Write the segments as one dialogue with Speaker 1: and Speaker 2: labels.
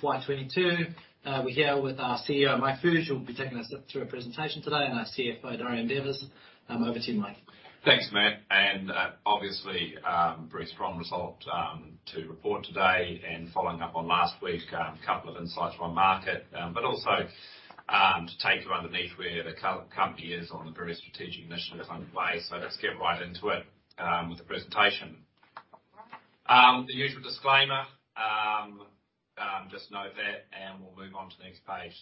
Speaker 1: FY 2022. We're here with our Chief Executive Officer, Mike Fuge, who'll be taking us through a presentation today, and our Chief Financial Officer, Dorian Devers. Over to you, Mike.
Speaker 2: Thanks, Matt. Obviously, very strong result to report today and following up on last week, a couple of insights from our market. Also, to take you underneath where the company is on the various strategic initiatives underway. Let's get right into it, with the presentation. The usual disclaimer, just note that and we'll move on to the next page.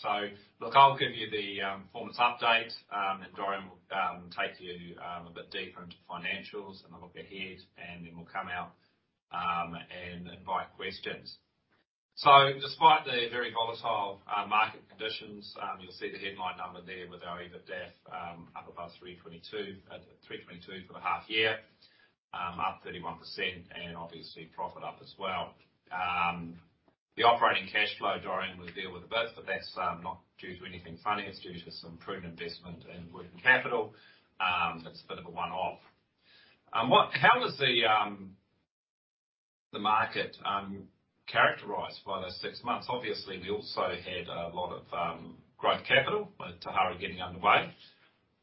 Speaker 2: Look, I'll give you the performance update, and Dorian will take you a bit deeper into financials and a look ahead, and then we'll come out and invite questions. Despite the very volatile market conditions, you'll see the headline number there with our EBITDA up above 322. 322 for the half year, up 31% and obviously profit up as well. The operating cash flow, Dorian will deal with a bit, but that's not due to anything funny. It's due to some improved investment in working capital, that's a bit of a one-off. How does the market characterize those six months? Obviously, we also had a lot of growth capital with Tauhara getting underway.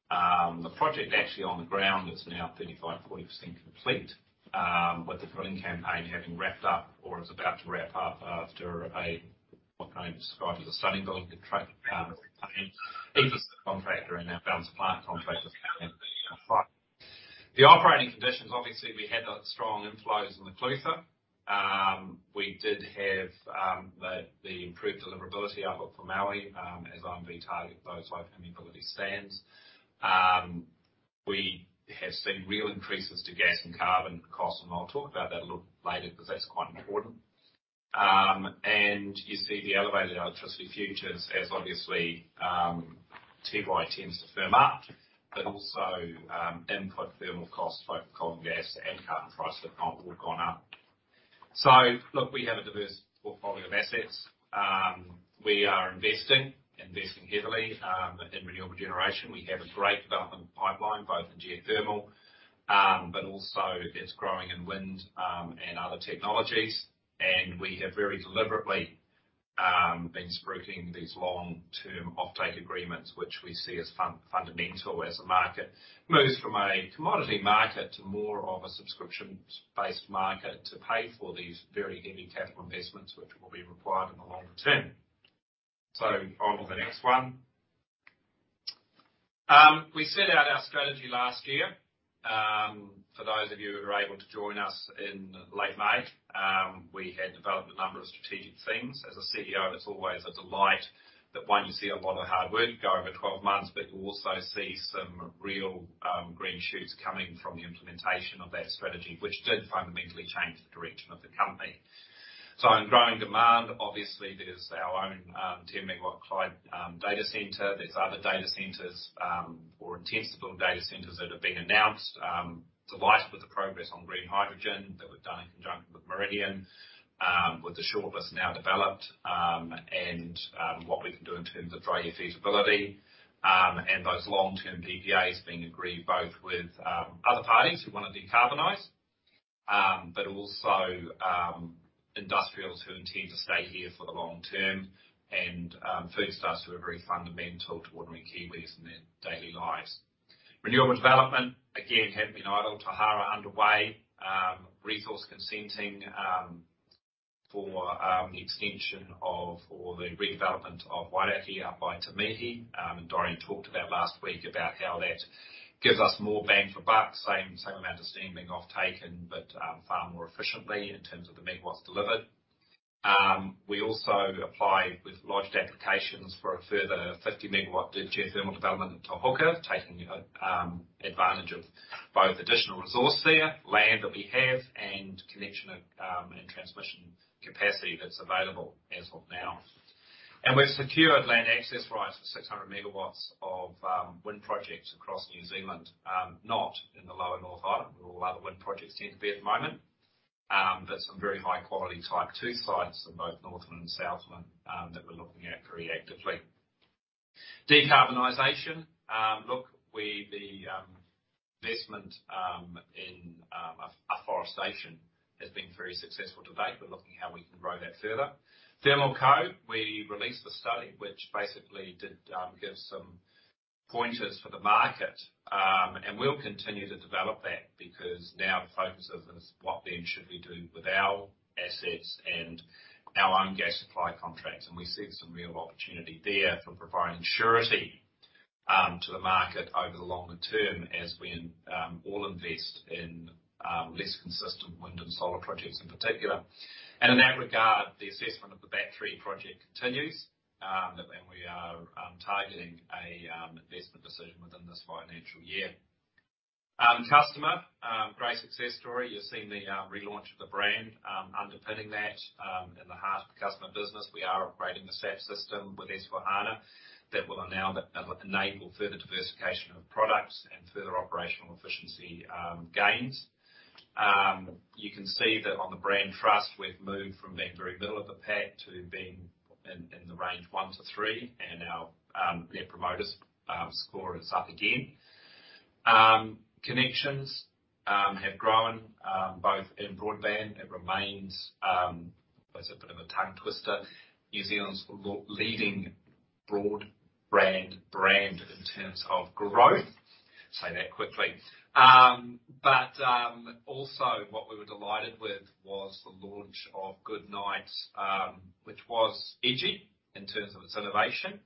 Speaker 2: The project actually on the ground is now 35%-40% complete, with the drilling campaign having wrapped up or is about to wrap up after what can only be described as a stunningly good campaign. Even for the contractor and our balance of plant contractors. The operating conditions, obviously, we had strong inflows in the Clutha. We did have the improved deliverability up at Wairakei, as I'm targeting those high availability stands. We have seen real increases to gas and carbon costs, and I'll talk about that a little later because that's quite important. You see the elevated electricity futures as obviously TY tends to firm up, but also input thermal costs, both for coal and gas and carbon prices have all gone up. Look, we have a diverse portfolio of assets. We are investing heavily in renewable generation. We have a great development pipeline, both in geothermal, but also that's growing in wind and other technologies. We have very deliberately been spruiking these long-term offtake agreements, which we see as fundamental as the market moves from a commodity market to more of a subscription-based market to pay for these very heavy capital investments, which will be required in the longer term. On to the next one. We set out our strategy last year. For those of you who were able to join us in late May, we had developed a number of strategic themes. As a Chief Executive Officer, it's always a delight that, one, you see a lot of hard work go over 12 months, but you also see some real, green shoots coming from the implementation of that strategy, which did fundamentally change the direction of the company. In growing demand, obviously there's our own, 10 MW Clyde data center. There's other data centers, or intents to build data centers that have been announced. Delighted with the progress on green hydrogen that we've done in conjunction with Meridian, with the shortlist now developed, and what we can do in terms of trade and feasibility, and those long-term PPAs being agreed both with other parties who wanna decarbonize, but also industrials who intend to stay here for the long term and Fonterra who are very fundamental to ordinary Kiwis in their daily lives. Renewable development, again, haven't been idle. Tauhara underway. Resource consenting for the extension of or the redevelopment of Wairakei up by Te Mihi, and Dorian talked about last week about how that gives us more bang for buck. Same amount of steam being offtaken, but far more efficiently in terms of the MWs delivered. We also applied. We've lodged applications for a further 50 MW geothermal development at Tauhara, taking advantage of both additional resource there, land that we have, and connection and transmission capacity that's available as of now. We've secured land access rights for 600 MW of wind projects across New Zealand, not in the lower North Island, where all other wind projects seem to be at the moment. But some very high quality Type 2 sites in both Northland and Southland that we're looking at very actively. Decarbonization. Look, the investment in afforestation has been very successful to date. We're looking how we can grow that further. ThermalCo, we released a study which basically did give some pointers for the market. We'll continue to develop that because now the focus is what then should we do with our assets and our own gas supply contracts. We see some real opportunity there for providing surety to the market over the longer term as we all invest in less consistent wind and solar projects in particular. In that regard, the assessment of the Battery project continues, and we are targeting an investment decision within this financial year. Customer great success story. You've seen the relaunch of the brand. Underpinning that, in the heart of the customer business, we are upgrading the SAP system with S/4HANA that will enable further diversification of products and further operational efficiency gains. You can see that on the brand trust, we've moved from being very middle of the pack to being in the range one-three and our Net Promoter Score is up again. Connections have grown both in broadband. It remains always a bit of a tongue twister. New Zealand's leading broadband brand in terms of growth. Say that quickly. Also what we were delighted with was the launch of Good Nights, which was edgy in terms of its innovation.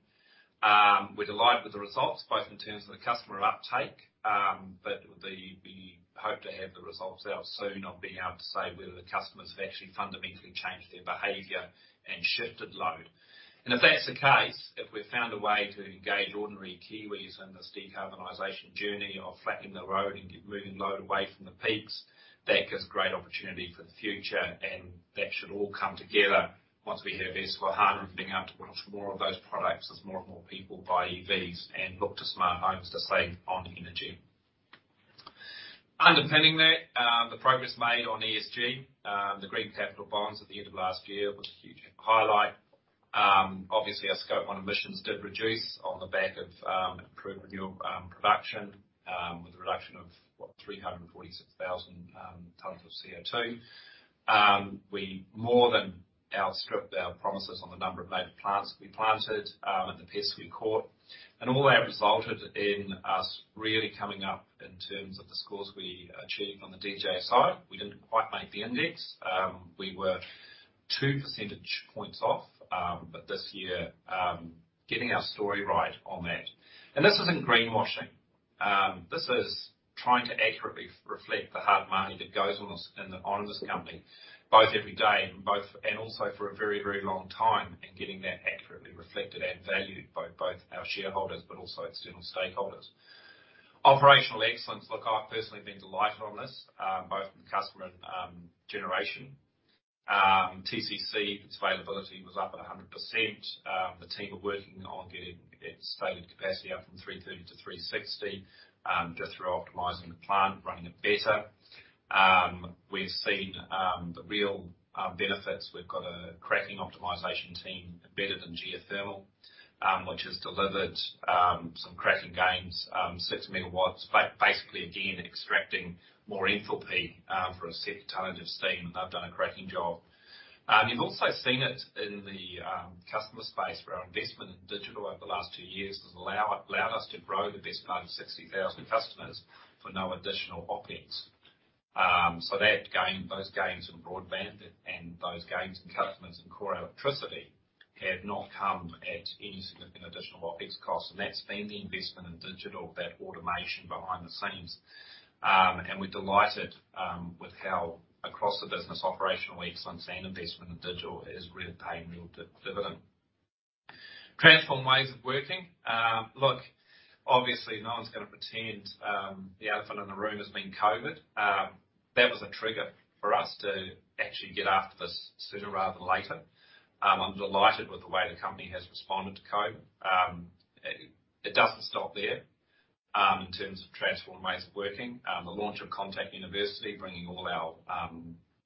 Speaker 2: We're delighted with the results, both in terms of the customer uptake, we hope to have the results out soon of being able to say whether the customers have actually fundamentally changed their behavior and shifted load. If that's the case, if we've found a way to engage ordinary Kiwis in this decarbonization journey of flattening the load and moving load away from the peaks, that gives great opportunity for the future, and that should all come together once we have S/4HANA being able to launch more of those products as more and more people buy EVs and look to smart homes to save on energy. Underpinning that, the progress made on ESG, the green capital bonds at the end of last year was a huge highlight. Obviously, our scope one emissions did reduce on the back of improved renewable production with a reduction of 346,000 tons of CO2. We more than outstripped our promises on the number of native plants we planted and the pests we caught. All of that resulted in us really coming up in terms of the scores we achieved on the DJSI. We didn't quite make the index. We were two percentage points off, but this year, getting our story right on that. This isn't greenwashing. This is trying to accurately reflect the hard work that goes on in this company, both every day and also for a very, very long time, and getting that accurately reflected and valued by both our shareholders, but also external stakeholders. Operational excellence. Look, I've personally been delighted on this, both from customer and generation. TCC availability was up at 100%. The team are working on getting its stated capacity up from 330 to 360, just through optimizing the plant, running it better. We've seen the real benefits. We've got a cracking optimization team embedded in geothermal which has delivered some cracking gains, 6 MW. Basically again, extracting more enthalpy for a set tonnage of steam, and they've done a cracking job. You've also seen it in the customer space where our investment in digital over the last two years has allowed us to grow the best part of 60,000 customers for no additional OpEx. Those gains in broadband and those gains in customers and core electricity have not come at any significant additional OpEx costs, and that's been the investment in digital, that automation behind the scenes. We're delighted with how across the business operational excellence and investment in digital has really paid real dividends, transforming ways of working. Look, obviously, no one's gonna pretend the elephant in the room has been COVID. That was a trigger for us to actually get after this sooner rather than later. I'm delighted with the way the company has responded to COVID. It doesn't stop there, in terms of transformed ways of working. The launch of Contact University, bringing all our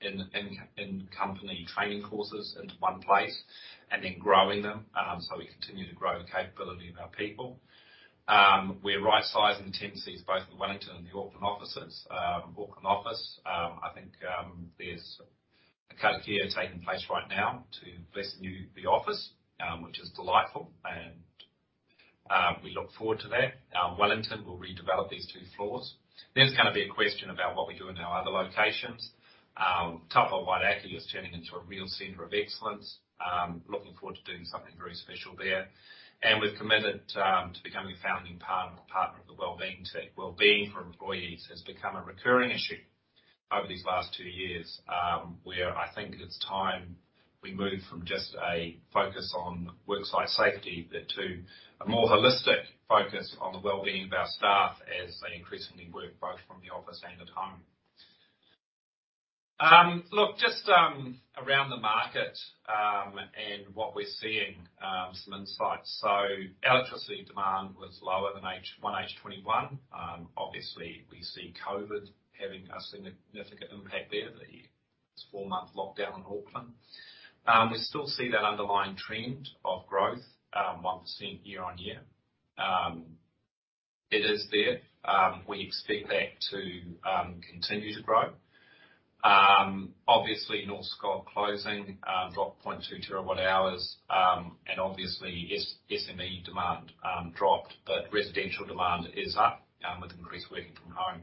Speaker 2: in-company training courses into one place and then growing them, so we continue to grow the capability of our people. We're right-sizing tenancies, both the Wellington and the Auckland offices. Auckland office, I think, there's a karakia taking place right now to bless the new office, which is delightful and we look forward to that. Wellington, we'll redevelop these two floors. There's gonna be a question about what we do in our other locations. Taupō-Wairakei is turning into a real center of excellence. Looking forward to doing something very special there. We've committed to becoming a founding partner of the Wellbeing Tick. Wellbeing for employees has become a recurring issue over these last two years, where I think it's time we move from just a focus on worksite safety to a more holistic focus on the wellbeing of our staff as they increasingly work both from the office and at home. Look, just around the market and what we're seeing, some insights. Electricity demand was lower than H1 2021. Obviously, we see COVID having a significant impact there, the four-month lockdown in Auckland. We still see that underlying trend of growth, 1% year-on-year. It is there. We expect that to continue to grow. Obviously, Norske closing dropped 0.2 TWh, and obviously SME demand dropped, but residential demand is up with increased working from home.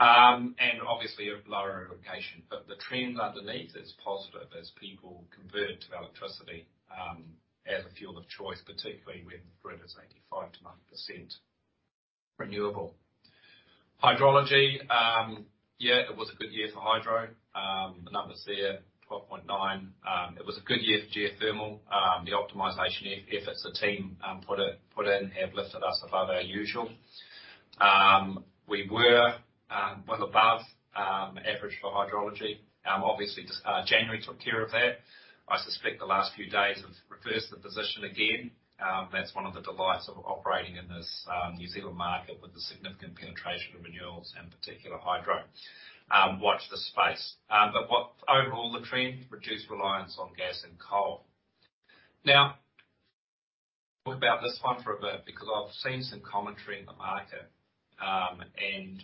Speaker 2: Obviously a lower irrigation, but the trend underneath is positive as people convert to electricity as a fuel of choice, particularly when the grid is 85%-90% renewable. Hydrology, yeah, it was a good year for hydro. The numbers there, 12.9. It was a good year for geothermal. The optimization efforts the team put in have lifted us above our usual. We were well above average for hydrology. Obviously just January took care of that. I suspect the last few days have reversed the position again. That's one of the delights of operating in this New Zealand market with the significant penetration of renewables, in particular hydro. Watch this space. Overall, the trend, reduced reliance on gas and coal. Now, about this one for a bit, because I've seen some commentary in the market.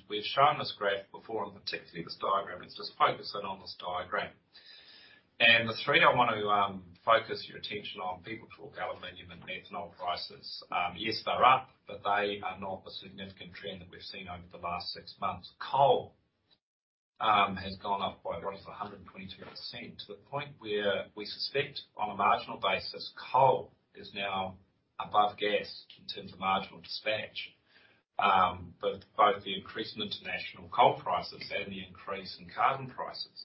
Speaker 2: We've shown this graph before, and particularly this diagram. Let's just focus in on this diagram. The three I want to focus your attention on, people talk aluminum and methanol prices. Yes, they're up, but they are not the significant trend that we've seen over the last six months. Coal has gone up by roughly 122% to the point where we suspect, on a marginal basis, coal is now above gas in terms of marginal dispatch, with both the increase in international coal prices and the increase in carbon prices.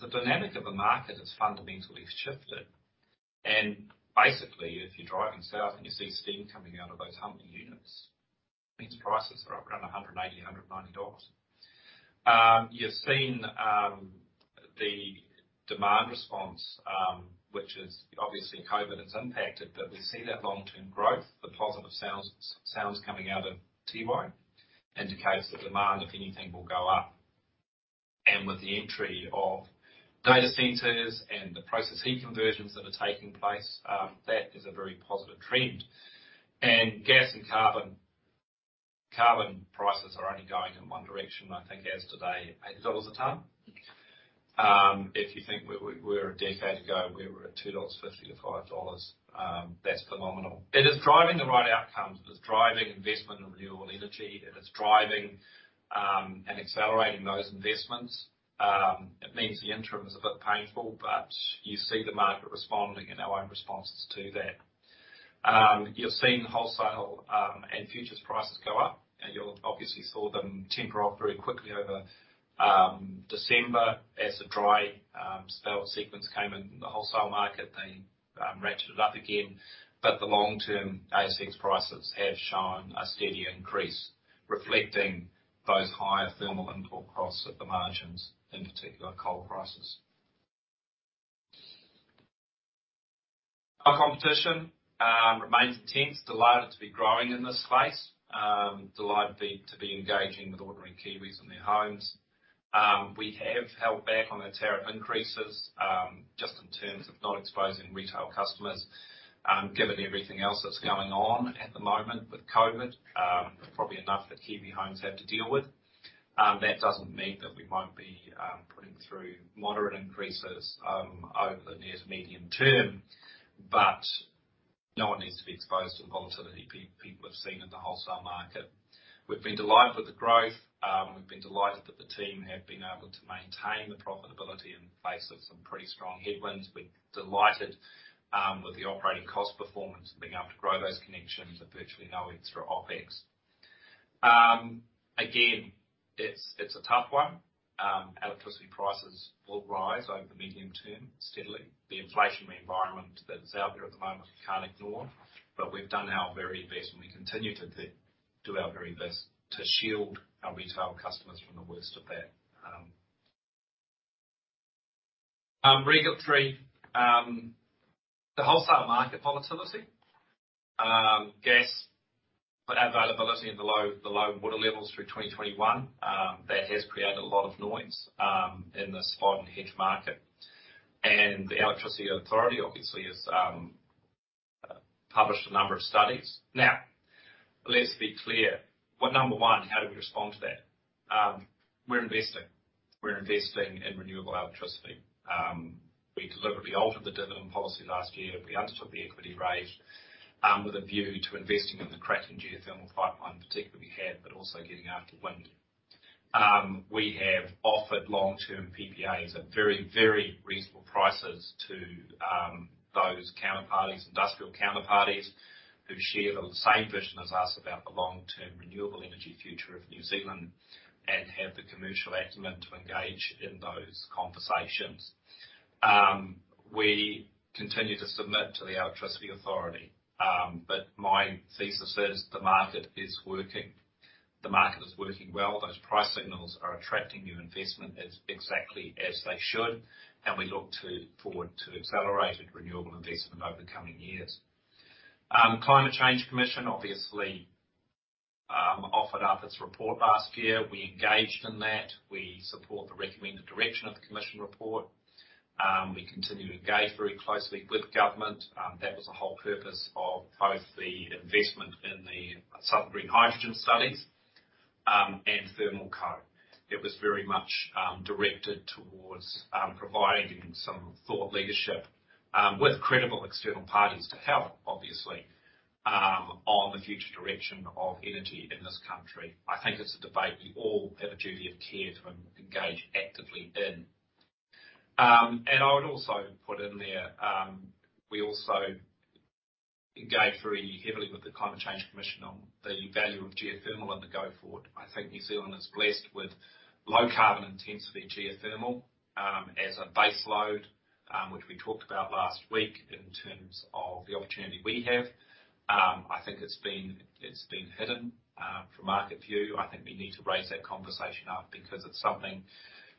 Speaker 2: The dynamic of the market has fundamentally shifted. Basically, if you're driving south and you see steam coming out of those Huntly units, means prices are up around 180-190 dollars. You're seeing the demand response, which is obviously COVID has impacted, but we see that long-term growth. The positive sounds coming out of Tiwai indicates that demand, if anything, will go up. With the entry of data centers and the process heat conversions that are taking place, that is a very positive trend. Gas and carbon prices are only going in one direction. I think as of today, NZD 80 a ton. If you think where we were a decade ago, we were at 2.50-5 dollars, that's phenomenal. It is driving the right outcomes. It is driving investment in renewable energy. It is driving, and accelerating those investments. It means the interim is a bit painful, but you see the market responding and our own responses to that. You're seeing wholesale and futures prices go up. You obviously saw them temper off very quickly over December as the dry spell sequence came in the wholesale market. They ratcheted up again. The long-term ASX prices have shown a steady increase reflecting those higher thermal import costs at the margins, in particular coal prices. Our competition remains intense. Delighted to be growing in this space. Delighted to be engaging with ordinary Kiwis in their homes. We have held back on the tariff increases, just in terms of not exposing retail customers, given everything else that's going on at the moment with COVID, probably enough that Kiwi homes have to deal with. That doesn't mean that we won't be putting through moderate increases over the near to medium term. No one needs to be exposed to the volatility people have seen in the wholesale market. We've been delighted with the growth. We've been delighted that the team have been able to maintain the profitability in the face of some pretty strong headwinds. We're delighted with the operating cost performance and being able to grow those connections at virtually no extra OpEx. Again, it's a tough one. Electricity prices will rise over the medium term steadily. The inflationary environment that's out there at the moment we can't ignore, but we've done our very best, and we continue to do our very best to shield our retail customers from the worst of that. Regulatory, the wholesale market volatility, gas availability and the low water levels through 2021, that has created a lot of noise in the spot and hedge market. The Electricity Authority, obviously, has published a number of studies. Now, let's be clear. Well, number one, how do we respond to that? We're investing in renewable electricity. We deliberately altered the dividend policy last year. We undertook the equity raise with a view to investing in the Kraken geothermal pipeline, particularly Heb, but also getting after wind. We have offered long-term PPAs at very, very reasonable prices to those counterparties, industrial counterparties, who share the same vision as us about the long-term renewable energy future of New Zealand and have the commercial acumen to engage in those conversations. We continue to submit to the Electricity Authority. My thesis is the market is working. The market is working well. Those price signals are attracting new investment exactly as they should, and we look forward to accelerated renewable investment over the coming years. Climate Change Commission obviously offered up its report last year. We engaged in that. We support the recommended direction of the Commission report. We continue to engage very closely with government. That was the whole purpose of both the investment in the Southern Green Hydrogen studies and ThermalCo. It was very much directed towards providing some thought leadership with credible external parties to help, obviously, on the future direction of energy in this country. I think it's a debate we all have a duty of care to engage actively in. I would also put in there, we also engage very heavily with the Climate Change Commission on the value of geothermal in the go forward. I think New Zealand is blessed with low carbon intensity geothermal as a base load, which we talked about last week in terms of the opportunity we have. I think it's been hidden from market view. I think we need to raise that conversation up because it's something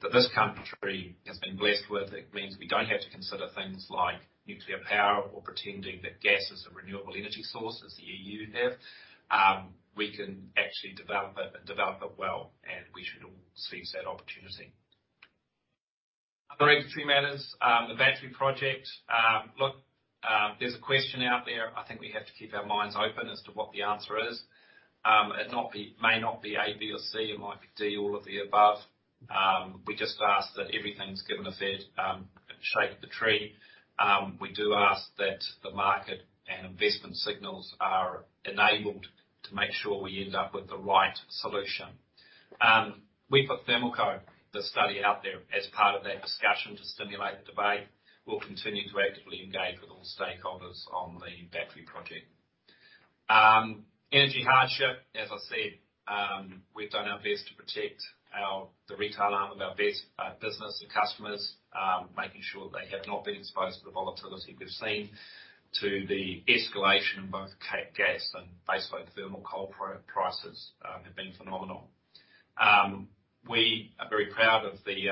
Speaker 2: that this country has been blessed with. It means we don't have to consider things like nuclear power or pretending that gas is a renewable energy source as the EU have. We can actually develop it and develop it well, and we should all seize that opportunity. Other regulatory matters, the battery project. Look, there's a question out there. I think we have to keep our minds open as to what the answer is. It may not be A, B, or C, it might be D, all of the above. We just ask that everything's given a fair shake of the tree. We do ask that the market and investment signals are enabled to make sure we end up with the right solution. We put ThermalCo, the study out there as part of that discussion to stimulate debate. We'll continue to actively engage with all stakeholders on the battery project. Energy hardship, as I said, we've done our best to protect the retail arm of our business, the customers, making sure they have not been exposed to the volatility we've seen to the escalation in both gas and base load thermal coal prices, have been phenomenal. We are very proud of the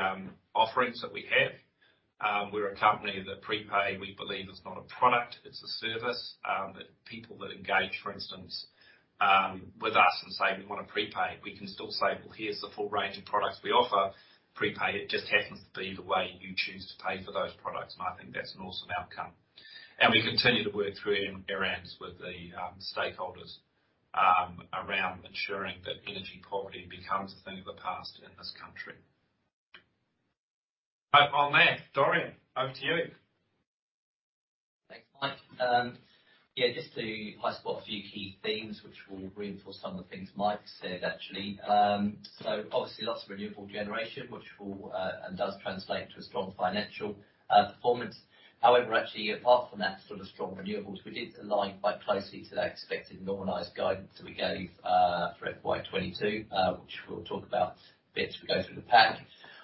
Speaker 2: offerings that we have. We're a company that prepay, we believe, is not a product, it's a service. That people that engage, for instance, with us and say, "We wanna prepay," we can still say, "Well, here's the full range of products we offer. Prepaid just happens to be the way you choose to pay for those products." I think that's an awesome outcome. We continue to work through endeavors with the stakeholders around ensuring that energy poverty becomes a thing of the past in this country. Over there. Dorian, over to you.
Speaker 3: Thanks, Mike. Yeah, just to highlight a few key themes which will reinforce some of the things Mike said, actually. Obviously, lots of renewable generation, which will and does translate to a strong financial performance. However, actually apart from that sort of strong renewables, we did align quite closely to that expected normalized guidance that we gave for FY 2022, which we'll talk about a bit as we go through the pack.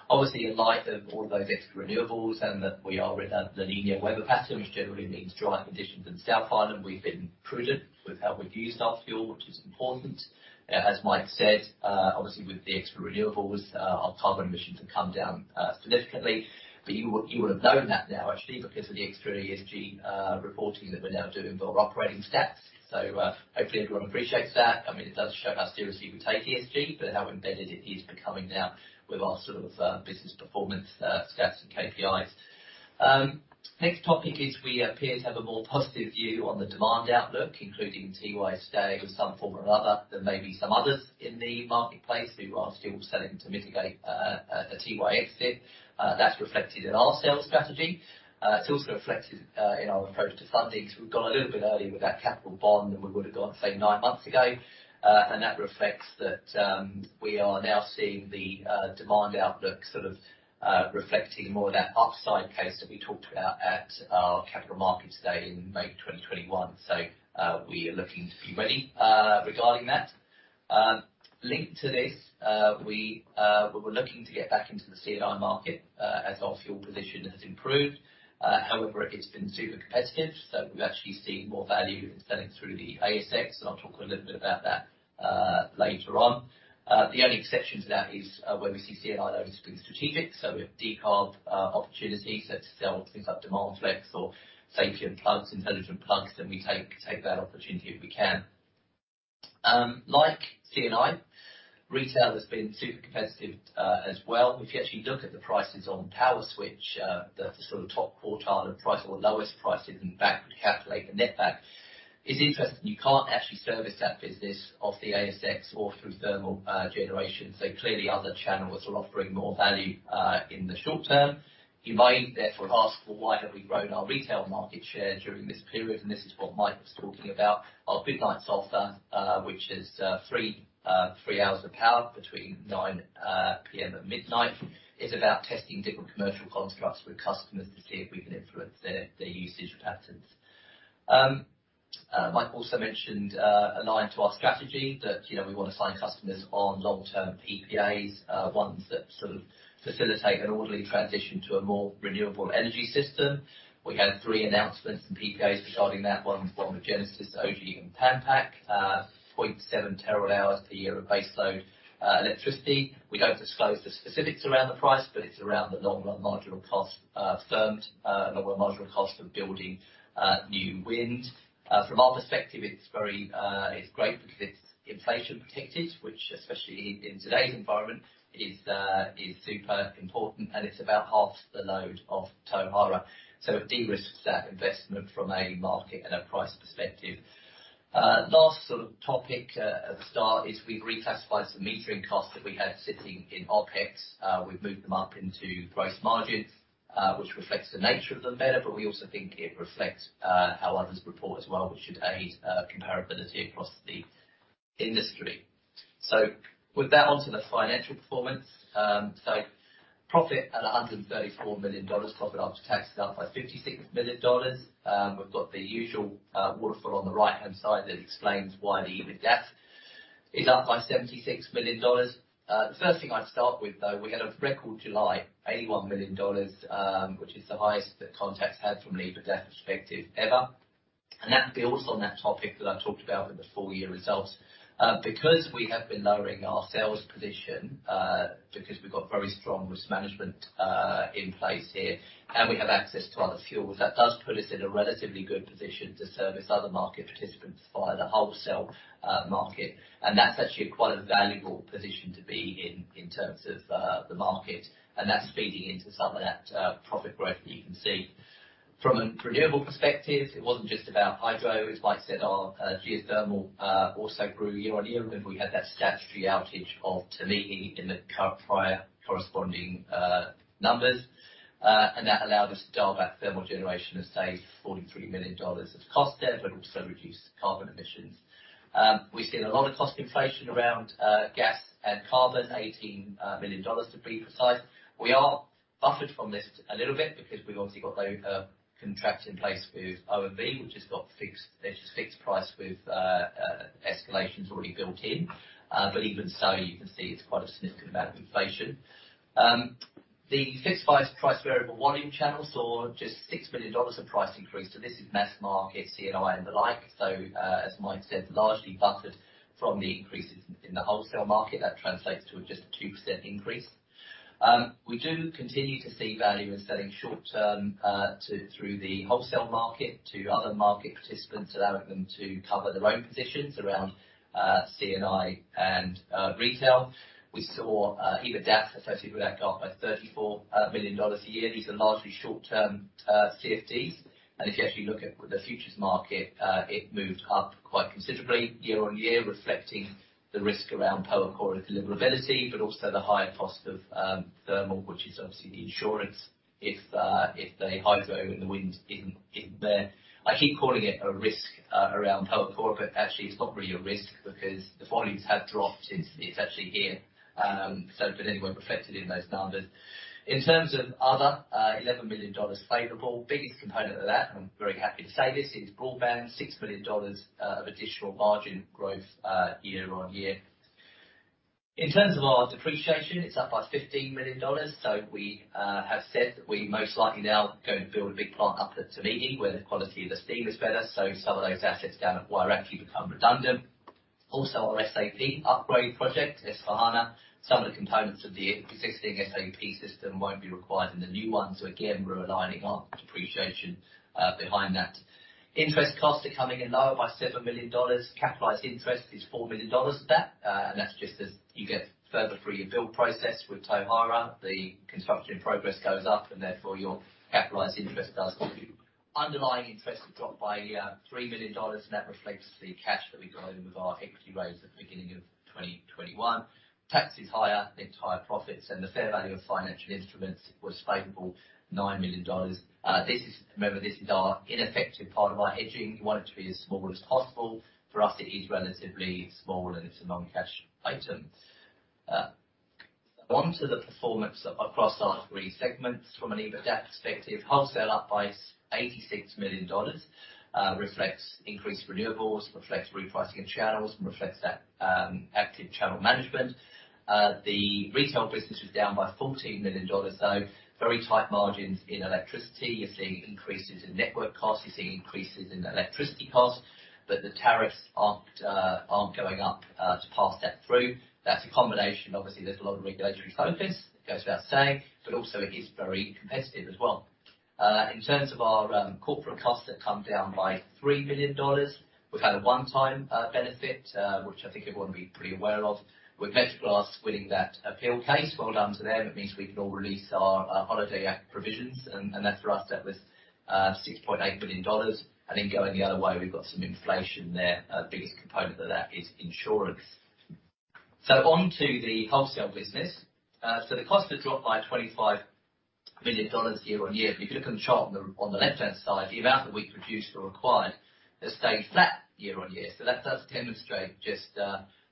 Speaker 3: Obviously, in light of all those extra renewables and that we are in a La Niña weather pattern, which generally means dry conditions in the South Island, we've been prudent with how we've used our fuel, which is important. As Mike said, obviously with the extra renewables, our carbon emissions have come down significantly. You would have known that now actually because of the extra ESG reporting that we're now doing for our operating stats. Hopefully everyone appreciates that. I mean, it does show how seriously we take ESG, but how embedded it is becoming now with our sort of business performance stats and KPIs. Next topic is we appear to have a more positive view on the demand outlook, including Tiwai stay of some form or another than maybe some others in the marketplace. We are still selling to mitigate a Tiwai exit, that's reflected in our sales strategy. It's also reflected in our approach to fundings. We've gone a little bit early with that capital bond than we would have gone, say, nine months ago. That reflects that we are now seeing the demand outlook sort of reflecting more of that upside case that we talked about at our capital markets day in May 2021. We are looking to be ready regarding that. Linked to this, we were looking to get back into the C&I market as our fuel position has improved. However, it's been super competitive, so we've actually seen more value in selling through the ASX, and I'll talk a little bit about that later on. The only exception to that is where we see C&I load as being strategic. If decarb opportunities, so to sell things like demand flex or smart plugs, intelligent plugs, then we take that opportunity if we can. Like C&I, retail has been super competitive as well. If you actually look at the prices on Powerswitch, the sort of top quartile of price or lowest prices, and back would calculate the netback, it's interesting, you can't actually service that business off the ASX or through thermal generation. Clearly other channels are offering more value in the short term. You may therefore ask, "Well, why haven't we grown our retail market share during this period?" This is what Mike was talking about. Our Good Nights offer, which is three hours of power between 9 P.M. and midnight. It's about testing different commercial constructs with customers to see if we can influence their usage patterns. Mike also mentioned, aligned to our strategy that, you know, we wanna sign customers on long-term PPAs, ones that sort of facilitate an orderly transition to a more renewable energy system. We had three announcements in PPAs regarding that. One was with Genesis, OMV, and Pan Pac, 0.7 TWh per year of base load electricity. We don't disclose the specifics around the price, but it's around the long run marginal cost, firmed long run marginal cost of building new wind. From our perspective, it's very, it's great because it's inflation protected, which especially in today's environment is super important, and it's about half the load of Tauhara. It de-risks that investment from a market and a price perspective. Last sort of topic at the start is we've reclassified some metering costs that we had sitting in OpEx. We've moved them up into gross margins, which reflects the nature of them better, but we also think it reflects how others report as well, which should aid comparability across the industry. With that, onto the financial performance. Profit at 134 million dollars, profit after tax is up by 56 million dollars. We've got the usual waterfall on the right-hand side that explains why the EBITDA is up by 76 million dollars. The first thing I'd start with though, we had a record July, 81 million dollars, which is the highest that Contact had from an EBITDA perspective ever. That builds on that topic that I talked about in the full year results. Because we have been lowering our sales position, because we've got very strong risk management in place here, and we have access to other fuels, that does put us in a relatively good position to service other market participants via the wholesale market. That's actually quite a valuable position to be in terms of the market. That's feeding into some of that profit growth that you can see. From a renewable perspective, it wasn't just about hydro. As Mike said, our geothermal also grew year on year. Remember we had that statutory outage of Tauhara in the prior corresponding numbers. And that allowed us to dial back thermal generation and save 43 million dollars of cost there, but also reduce carbon emissions. We've seen a lot of cost inflation around gas and carbon, 18 million dollars to be precise. We are buffered from this to a little bit because we've obviously got those contracts in place with OMV, which has got fixed. It's a fixed price with escalations already built in. Even so, you can see it's quite a significant amount of inflation. The fixed price variable volume channel saw just 6 million dollars of price increase. This is mass market C&I and the like. As Mike said, largely buffered from the increases in the wholesale market. That translates to just a 2% increase. We do continue to see value in selling short-term through the wholesale market to other market participants, allowing them to cover their own positions around C&I and retail. We saw EBITDA associated with that go up by NZD 34 million a year. These are largely short-term CFDs. If you actually look at the futures market, it moved up quite considerably year-on-year, reflecting the risk around Pohokura deliverability, but also the higher cost of thermal, which is obviously the insurance if the hydro and the wind isn't there. I keep calling it a risk around Pohokura, but actually it's not really a risk because the volumes have dropped since it's actually here, anyway, reflected in those numbers. In terms of other, eleven million dollars favorable. Biggest component of that, I'm very happy to say this, is broadband. Six million dollars of additional margin growth year-on-year. In terms of our depreciation, it's up by fifteen million dollars. We have said that we most likely now go and build a big plant up at Tauhara where the quality of the steam is better, so some of those assets down at Wairakei become redundant. Also our SAP upgrade project, S/4HANA, some of the components of the existing SAP system won't be required in the new one. Again, we're aligning our depreciation behind that. Interest costs are coming in lower by 7 million dollars. Capitalized interest is 4 million dollars of that. That's just as you get further through your build process with Tauhara, the construction progress goes up, and therefore your capitalized interest does too. Underlying interest has dropped by 3 million dollars, and that reflects the cash that we got in with our equity raise at the beginning of 2021. Tax is higher than entire profits, and the fair value of financial instruments was favorable, 9 million dollars. Remember this is our ineffective part of our hedging. We want it to be as small as possible. For us it is relatively small and it's a non-cash item. Onto the performance across our three segments. From an EBITDA perspective, wholesale up by 86 million dollars, reflects increased renewables, reflects repricing of channels, and reflects that, active channel management. The retail business was down by 14 million dollars, so very tight margins in electricity. You're seeing increases in network costs, you're seeing increases in electricity costs, but the tariffs aren't going up to pass that through. That's a combination. Obviously, there's a lot of regulatory focus, it goes without saying, but also it is very competitive as well. In terms of our corporate costs that come down by 3 million dollars, we've had a one-time benefit, which I think everyone will be pretty aware of with Matrixglass winning that appeal case. Well done to them. It means we can all release our Holidays Act provisions and that for us, that was 6.8 billion dollars. Then going the other way, we've got some inflation there. Biggest component of that is insurance. Onto the wholesale business. The costs have dropped by 25 million dollars year-over-year. If you look on the chart on the left-hand side, the amount that we've produced or acquired has stayed flat year-over-year. That does demonstrate just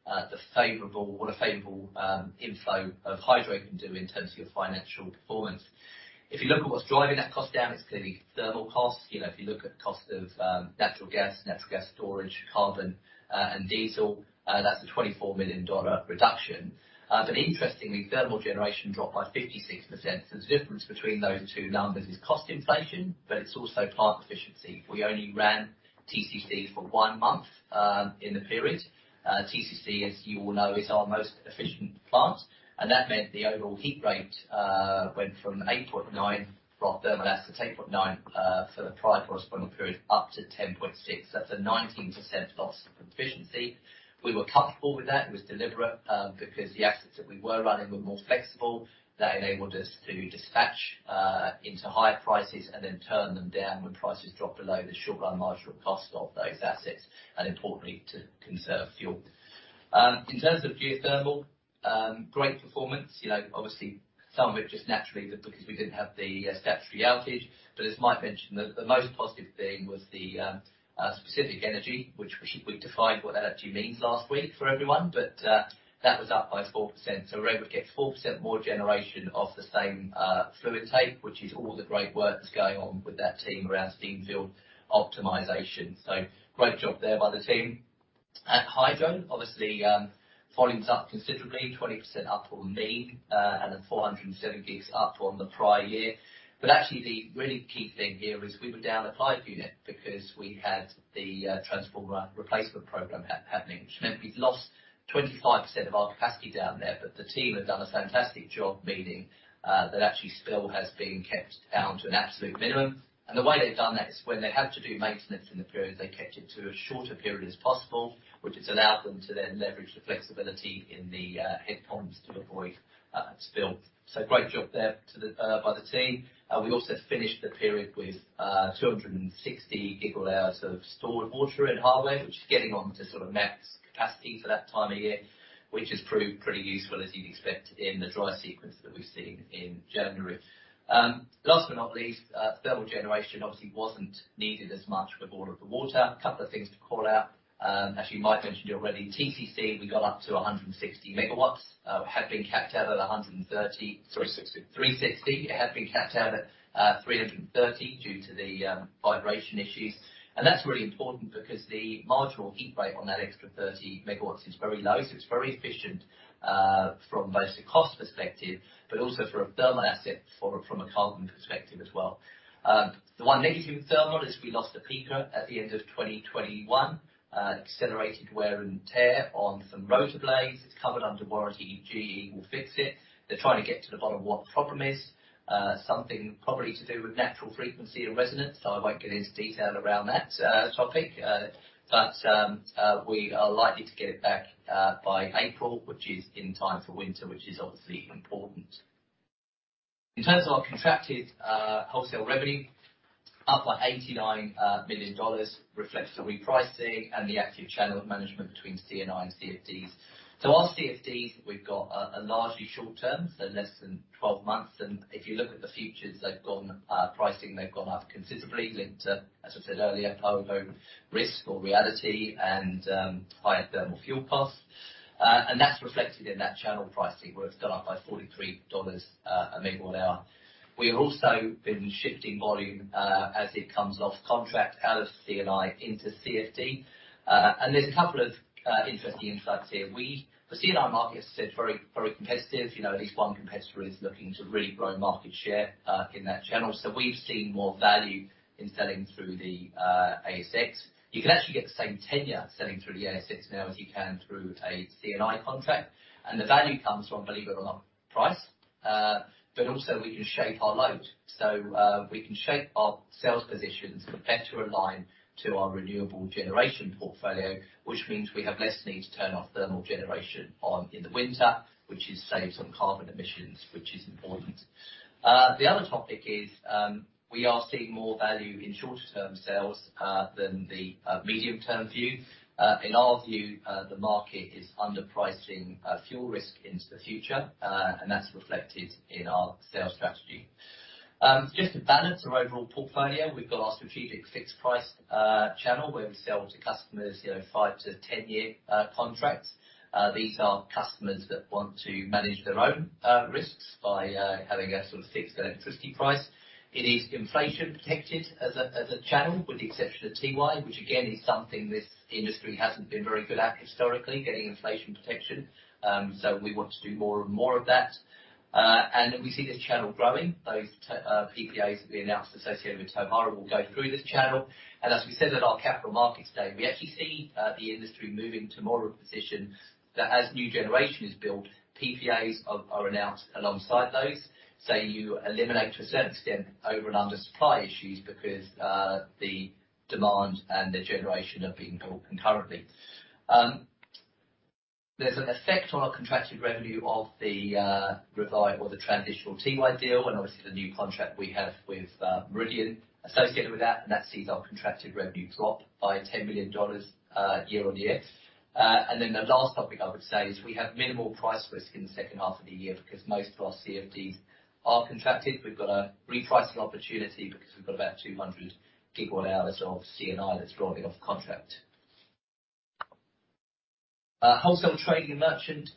Speaker 3: the favorable inflow of hydro can do in terms of your financial performance. If you look at what's driving that cost down, it's clearly thermal costs. You know, if you look at cost of natural gas, natural gas storage, carbon, and diesel, that's a 24 million dollar reduction. But interestingly, thermal generation dropped by 56%. The difference between those two numbers is cost inflation, but it's also plant efficiency. We only ran TCC for one month in the period. TCC, as you all know, is our most efficient plant, and that meant the overall heat rate went from 8.9 for our thermal assets for the prior corresponding period up to 10.6. That's a 19% loss of efficiency. We were comfortable with that. It was deliberate, because the assets that we were running were more flexible. That enabled us to dispatch into higher prices and then turn them down when prices dropped below the short-run marginal cost of those assets, and importantly, to conserve fuel. In terms of geothermal, great performance. You know, obviously some of it just naturally because we didn't have the statutory outage. As Mike mentioned, the most positive thing was the specific energy which we defined what that actually means last week for everyone. That was up by 4%. Remember it's 4% more generation of the same, fluid take, which is all the great work that's going on with that team around steam field optimization. Great job there by the team. At hydro, obviously, volumes up considerably, 20% up on mean, and at 470 gigs up on the prior year. Actually the really key thing here is we were down a pipe unit because we had the transformer replacement program happening, which meant we'd lost 25% of our capacity down there. The team have done a fantastic job, meaning that actually spill has been kept down to an absolute minimum. The way they've done that is when they had to do maintenance in the period, they kept it to as short a period as possible, which has allowed them to then leverage the flexibility in the head ponds to avoid spill. Great job there by the team. We also finished the period with 260 gigawatt-hours of stored water in Hawea, which is getting on to sort of max capacity for that time of year, which has proved pretty useful as you'd expect in the dry season that we've seen in January. Last but not least, thermal generation obviously wasn't needed as much with all of the water. A couple of things to call out, as Mike mentioned already, TCC, we got up to 160 MW. It had been capped out at 330 due to the vibration issues. That's really important because the marginal heat rate on that extra 30 MW is very low, so it's very efficient from both the cost perspective, but also for a thermal asset from a carbon perspective as well. The one negative with thermal is we lost a peaker at the end of 2021. Accelerated wear and tear on some rotor blades. It's covered under warranty. GE will fix it. They're trying to get to the bottom of what the problem is. Something probably to do with natural frequency and resonance, so I won't get into detail around that topic. We are likely to get it back by April, which is in time for winter, which is obviously important. In terms of our contracted wholesale revenue, up by 89 million dollars reflects the repricing and the active channel management between C&I and CFDs. Our CFDs, we've got a largely short term, so less than 12 months. If you look at the futures pricing they've gone up considerably linked to, as I said earlier, hydro risk or reality and higher thermal fuel costs. That's reflected in that channel pricing where it's gone up by 43 dollars/MWh. We have also been shifting volume as it comes off contract out of C&I into CFD. There's a couple of interesting insights here. The C&I market, as I said, is very competitive. You know, at least one competitor is looking to really grow market share in that channel. We've seen more value in selling through the ASX. You can actually get the same tenure selling through the ASX now as you can through a C&I contract. The value comes from, believe it or not, price. But also we can shape our load. We can shape our sales positions to better align to our renewable generation portfolio, which means we have less need to turn on thermal generation in the winter, which saves on carbon emissions, which is important. The other topic is, we are seeing more value in shorter term sales than the medium term view. In our view, the market is underpricing fuel risk into the future, and that's reflected in our sales strategy. Just to balance our overall portfolio, we've got our strategic fixed price channel where we sell to customers, you know, five to 10-year contracts. These are customers that want to manage their own risks by having a sort of fixed electricity price. It is inflation protected as a channel, with the exception of TY, which again is something this industry hasn't been very good at historically, getting inflation protection. We want to do more and more of that. We see this channel growing. Those PPAs that we announced associated with Tauhara will go through this channel. As we said at our capital markets day, we actually see the industry moving to more of a position that as new generation is built, PPAs are announced alongside those, so you eliminate to a certain extent over and under supply issues because the demand and the generation are being built concurrently. There's an effect on our contracted revenue of the revenue or the transitional Tiwai deal, and obviously the new contract we have with Meridian associated with that, and that sees our contracted revenue drop by 10 million dollars year-on-year. The last topic I would say is we have minimal price risk in the second half of the year because most of our CFDs are contracted. We've got a repricing opportunity because we've got about 200 GWh of C&I that's dropping off contract. Wholesale trading and merchant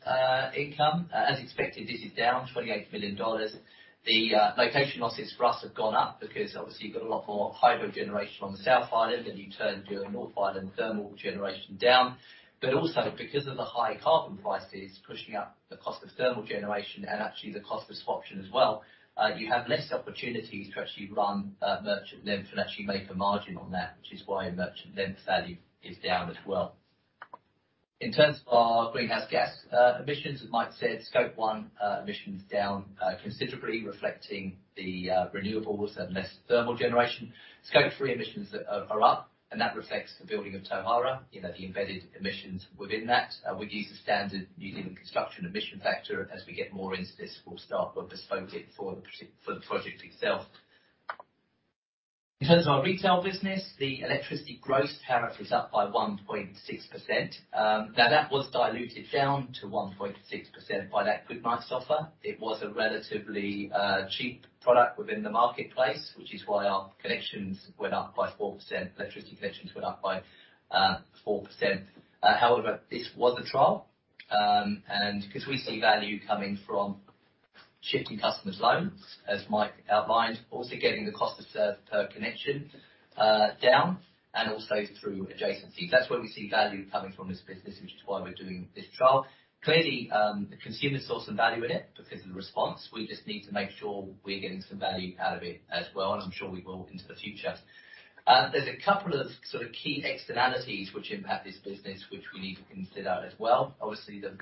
Speaker 3: income. As expected, this is down 28 million dollars. The location losses for us have gone up because obviously you've got a lot more hydro generation on the South Island than you turn your North Island thermal generation down. Also because of the high carbon prices pushing up the cost of thermal generation and actually the cost of swaption as well, you have less opportunities to actually run merchant plant and actually make a margin on that, which is why merchant plant value is down as well. In terms of our greenhouse gas emissions, as Mike said, Scope one emissions down considerably reflecting the renewables and less thermal generation. Scope three emissions are up, and that reflects the building of Tauhara. You know, the embedded emissions within that. We'd use the standard New Zealand construction emission factor. As we get more into this, we'll start bespoke it for the project itself. In terms of our retail business, the electricity gross tariff is up by 1.6%. Now that was diluted down to 1.6% by that Good Nights offer. It was a relatively cheap product within the marketplace, which is why our electricity connections went up by 4%. However, this was a trial. Because we see value coming from shifting customers loads, as Mike outlined, also getting the cost of serve per connection down and also through adjacencies. That's where we see value coming from this business, which is why we're doing this trial. Clearly, the consumers saw some value in it because of the response. We just need to make sure we're getting some value out of it as well, and I'm sure we will into the future. There's a couple of sort of key externalities which impact this business, which we need to consider as well. Obviously, the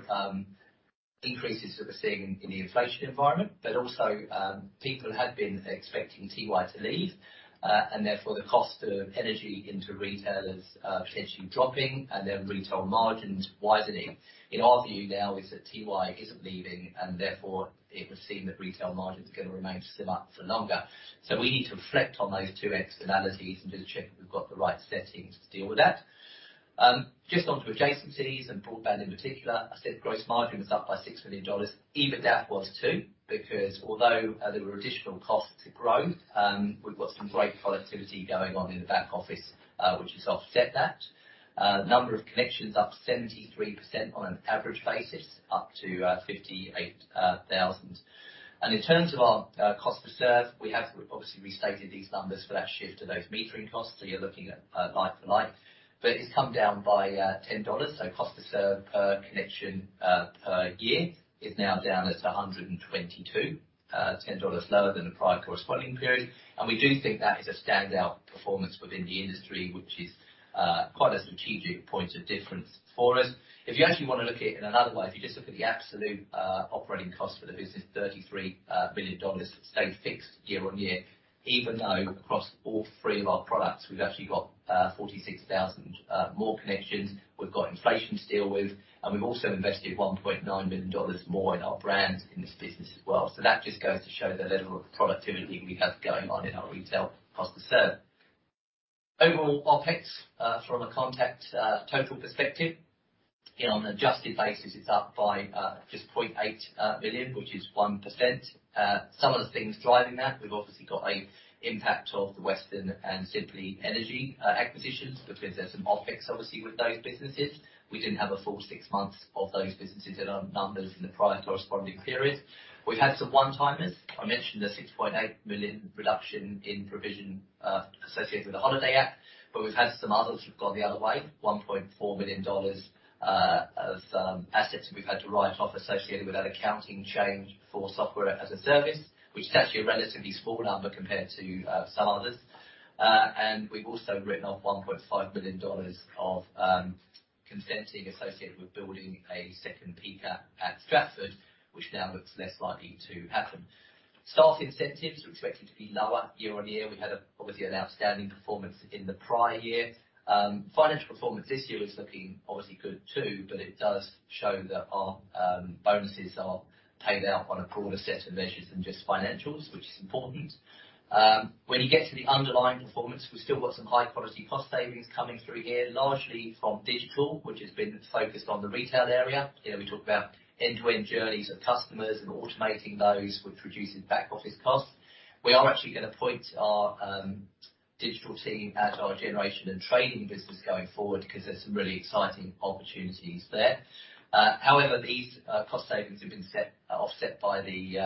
Speaker 3: increases that we're seeing in the inflation environment, but also, people had been expecting Tiwai to leave, and therefore the cost of energy into retail as potentially dropping and then retail margins widening. In our view now is that Tiwai isn't leaving and therefore it would seem that retail margins are gonna remain slim up for longer. We need to reflect on those two externalities and just check that we've got the right settings to deal with that. Just onto adjacencies and broadband in particular. I said gross margin was up by 6 million dollars. EBITDA was too, because although there were additional costs to growth, we've got some great productivity going on in the back office, which has offset that. Number of connections up 73% on an average basis, up to 58,000. In terms of our cost to serve, we have obviously restated these numbers for that shift to those metering costs, so you're looking at like for like. It's come down by 10 dollars. Cost to serve per connection per year is now down to 122. 10 dollars lower than the prior corresponding period. We do think that is a standout performance within the industry, which is quite a strategic point of difference for us. If you actually want to look at it in another way, if you just look at the absolute operating cost for the business, 33 billion dollars stayed fixed year on year, even though across all three of our products we've actually got 46,000 more connections. We've got inflation to deal with, and we've also invested 1.9 billion dollars more in our brands in this business as well. That just goes to show the level of productivity we have going on in our retail cost to serve. Overall OpEx from a Contact total perspective, on an adjusted basis, it's up by just 0.8 million, which is 1%. Some of the things driving that, we've obviously got an impact of the Western and Simply Energy acquisitions because there's some OpEx obviously with those businesses. We didn't have a full six months of those businesses in our numbers in the prior corresponding periods. We've had some one-timers. I mentioned a 6.8 million reduction in provision associated with the Holidays Act, but we've had some others who've gone the other way. 1.4 million dollars of assets we've had to write off associated with that accounting change for software as a service, which is actually a relatively small number compared to some others. We've also written off 1.5 million dollars of consenting associated with building a second peaker at Stratford, which now looks less likely to happen. Staff incentives were expected to be lower year-on-year. We had obviously an outstanding performance in the prior year. Financial performance this year is looking obviously good too, but it does show that our bonuses are paid out on a broader set of measures than just financials, which is important. When you get to the underlying performance, we've still got some high quality cost savings coming through here, largely from digital, which has been focused on the retail area. You know, we talk about end-to-end journeys of customers and automating those, which reduces back office costs. We are actually going to point our digital team at our generation and trading business going forward because there's some really exciting opportunities there. However, these cost savings have been offset by the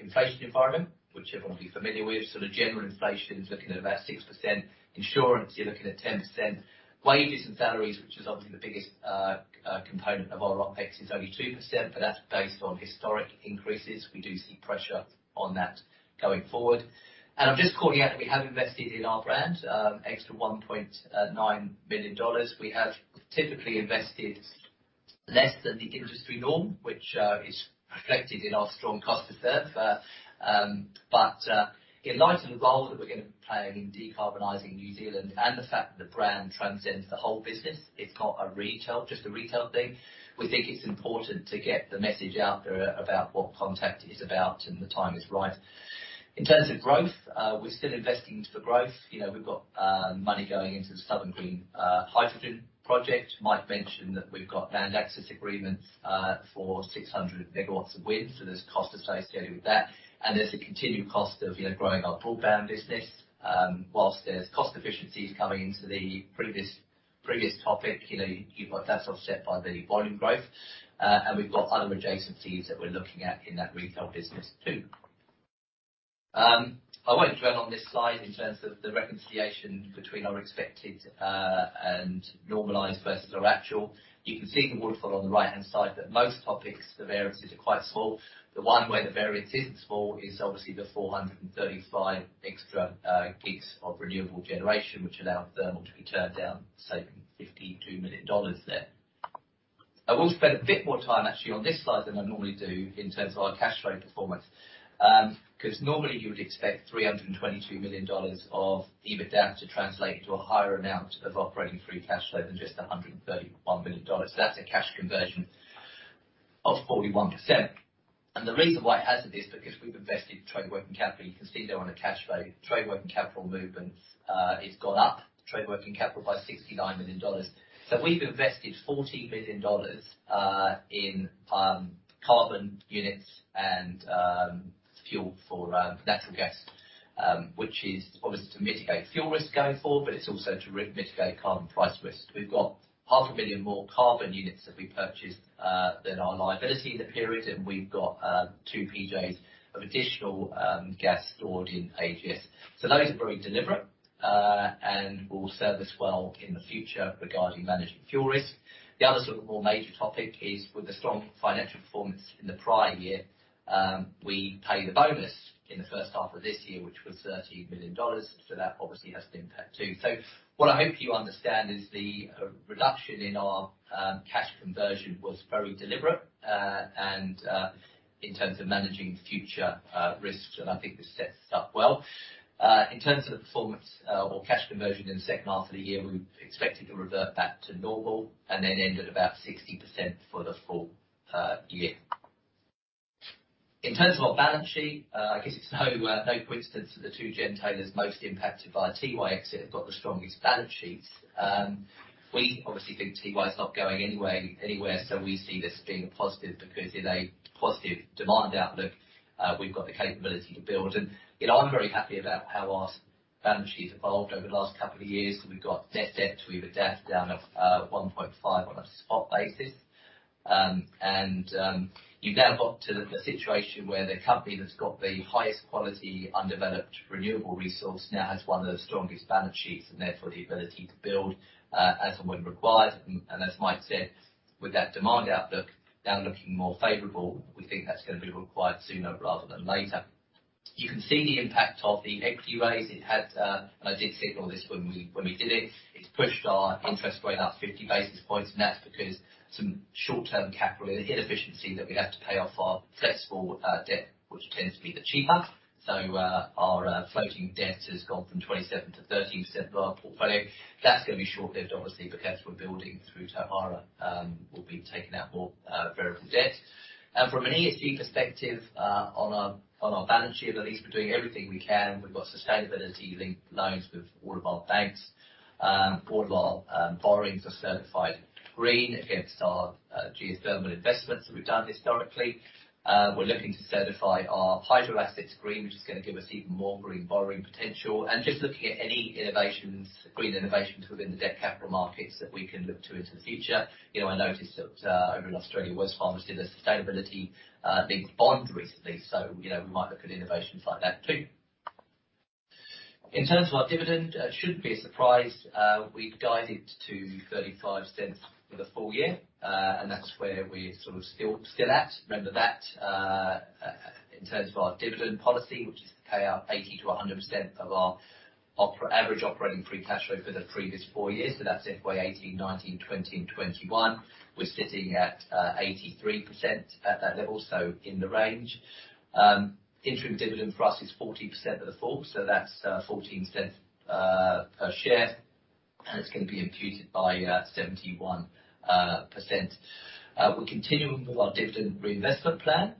Speaker 3: inflation environment, which everyone will be familiar with. Sort of general inflation is looking at about 6%. Insurance, you're looking at 10%. Wages and salaries, which is obviously the biggest component of our OpEx, is only 2%, but that's based on historic increases. We do see pressure on that going forward. I'm just calling out that we have invested in our brand extra 1.9 million dollars. We have typically invested less than the industry norm, which is reflected in our strong cost to serve. In light of the role that we're going to play in decarbonizing New Zealand and the fact that the brand transcends the whole business, it's not a retail, just a retail thing. We think it's important to get the message out there about what Contact is about and the time is right. In terms of growth, we're still investing for growth. You know, we've got money going into the Southern Green Hydrogen project. Mike mentioned that we've got land access agreements for 600 MW of wind, so there's cost associated with that. There's the continued cost of, you know, growing our broadband business. While there's cost efficiencies coming into the previous topic, you know, you've got that's offset by the volume growth. We've got other adjacencies that we're looking at in that retail business too. I won't dwell on this slide in terms of the reconciliation between our expected and normalized versus our actual. You can see the waterfall on the right-hand side that most topics, the variances are quite small. The one where the variance isn't small is obviously the 435 extra gigs of renewable generation, which allowed thermal to be turned down, saving 52 million dollars there. I will spend a bit more time actually on this slide than I normally do in terms of our cash flow performance. 'Cause normally you would expect 322 million dollars of EBITDA to translate to a higher amount of operating free cash flow than just 131 million dollars. That's a cash conversion of 41%. The reason why it hasn't is because we've invested trade working capital. You can see there on the cash flow trade working capital movement, it's gone up trade working capital by 69 million dollars. We've invested 40 million dollars in carbon units and fuel for natural gas, which is obviously to mitigate fuel risk going forward, but it's also to mitigate carbon price risk. We've got 500,000 more carbon units that we purchased than our liability in the period, and we've got 2 PJs of additional gas stored in AGS. Those are very deliberate and will serve us well in the future regarding managing fuel risk. The other sort of more major topic is with the strong financial performance in the prior year, we paid a bonus in the first half of this year, which was 13 million dollars. That obviously has an impact too. What I hope you understand is the reduction in our cash conversion was very deliberate, and in terms of managing future risks, and I think this sets us up well. In terms of the performance or cash conversion in the second half of the year, we expected to revert back to normal and then end at about 60% for the full year. In terms of our balance sheet, I guess it's no coincidence that the two gentailers most impacted by a Tiwai exit have got the strongest balance sheets. We obviously think Tiwai's not going anywhere, so we see this being a positive because in a positive demand outlook, we've got the capability to build. You know, I'm very happy about how our balance sheet's evolved over the last couple of years. We've got net debt to EBITDA down of 1.5 on a spot basis. You've now got to the situation where the company that's got the highest quality undeveloped renewable resource now has one of the strongest balance sheets and therefore the ability to build as and when required. As Mike said, with that demand outlook now looking more favorable, we think that's gonna be required sooner rather than later. You can see the impact of the equity raise it had, and I did signal this when we did it. It's pushed our interest rate up 50 basis points, and that's because some short-term capital inefficiency that we had to pay off our flexible debt, which tends to be the cheaper. Our floating debt has gone from 27% to 13% of our portfolio. That's gonna be short-lived obviously, because we're building through Tauhara, we'll be taking out more variable debt. From an ESG perspective, on our balance sheet at least, we're doing everything we can. We've got sustainability-linked loans with all of our banks. All of our borrowings are certified green against our geothermal investments that we've done historically. We're looking to certify our hydro assets green, which is gonna give us even more green borrowing potential. Just looking at any innovations, green innovations within the debt capital markets that we can look to into the future. You know, I noticed that over in Australia, Wesfarmers did a sustainability linked bond recently. You know, we might look at innovations like that too. In terms of our dividend, it shouldn't be a surprise. We've guided to 0.35 for the full year, and that's where we're sort of still at. Remember that in terms of our dividend policy, which is to pay out 80%-100% of our average operating free cash flow for the previous four years, so that's FY 2018, 2019, 2020, and 2021. We're sitting at 83% at that level, so in the range. Interim dividend for us is 40% of the full, so that's 0.14 per share, and it's gonna be imputed by 71%. We're continuing with our dividend reinvestment plan,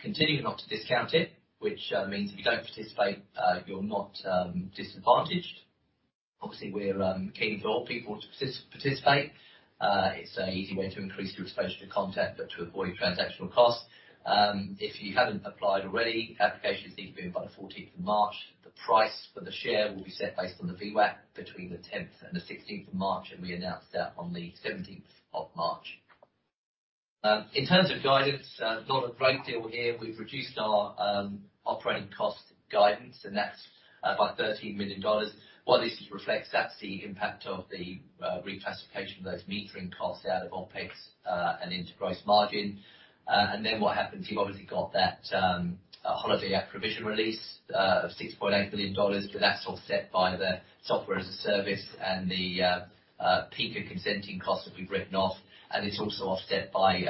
Speaker 3: continuing not to discount it, which means if you don't participate, you're not disadvantaged. Obviously, we're keen for all people to participate. It's an easy way to increase your exposure to Contact, but to avoid transactional costs. If you haven't applied already, applications need to be in by the March 14th. The price for the share will be set based on the VWAP between the tenth and the March 16th, and we announce that on the March 17th. In terms of guidance, not a great deal here. We've reduced our operating cost guidance, and that's by 13 million dollars. What this reflects, that's the impact of the reclassification of those metering costs out of OpEx and into gross margin. What happens, you've obviously got that Holidays Act provision release of 6.8 billion dollars, but that's offset by the software-as-a-service and the PICA consenting costs that we've written off. It's also offset by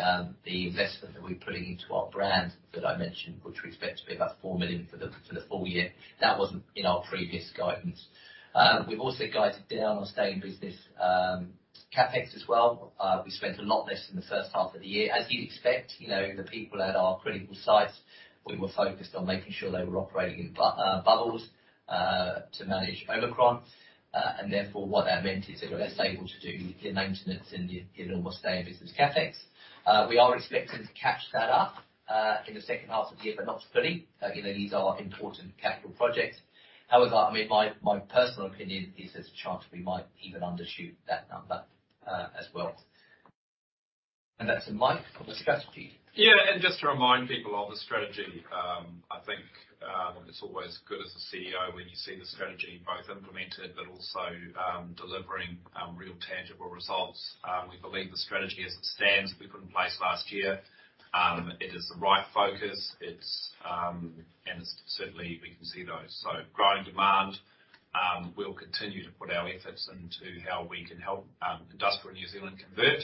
Speaker 3: the investment that we're putting into our brand that I mentioned, which we expect to be about 4 million for the full year. That wasn't in our previous guidance. We've also guided down on stay-in-business CapEx as well. We spent a lot less than the first half of the year. As you'd expect, you know, the people at our critical sites, we were focused on making sure they were operating in bubbles to manage Omicron. Therefore, what that meant is they were less able to do the maintenance and the, you know, more stay-in-business CapEx. We are expecting to catch that up in the second half of the year, but not fully. Again, these are important capital projects. However, I mean, my personal opinion is there's a chance we might even undershoot that number, as well. That's to Mike for the strategy.
Speaker 2: Yeah. Just to remind people of the strategy, I think, it's always good as the Chief Executive Officer when you see the strategy both implemented but also, delivering, real tangible results. We believe the strategy as it stands that we put in place last year, it is the right focus. It's certainly we can see those. Growing demand, we'll continue to put our efforts into how we can help, industrial New Zealand convert,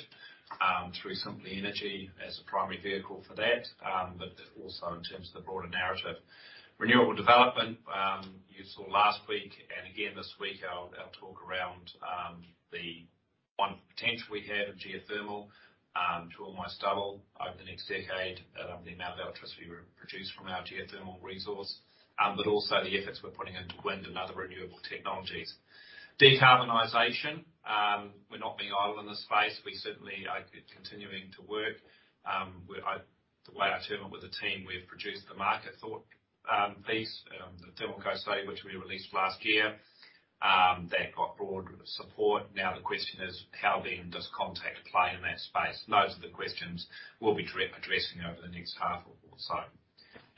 Speaker 2: through Simply Energy as a primary vehicle for that, but also in terms of the broader narrative. Renewable development, you saw last week and again this week, our talk around the potential we have in geothermal to almost double over the next decade the amount of electricity we produce from our geothermal resource, but also the efforts we're putting into wind and other renewable technologies. Decarbonization, we're not being idle in this space. We certainly are continuing to work. The way I term it with the team, we've produced the market thought piece, the thermal cost study which we released last year, that got broad support. Now the question is: how then does Contact play in that space? Those are the questions we'll be addressing over the next half or so.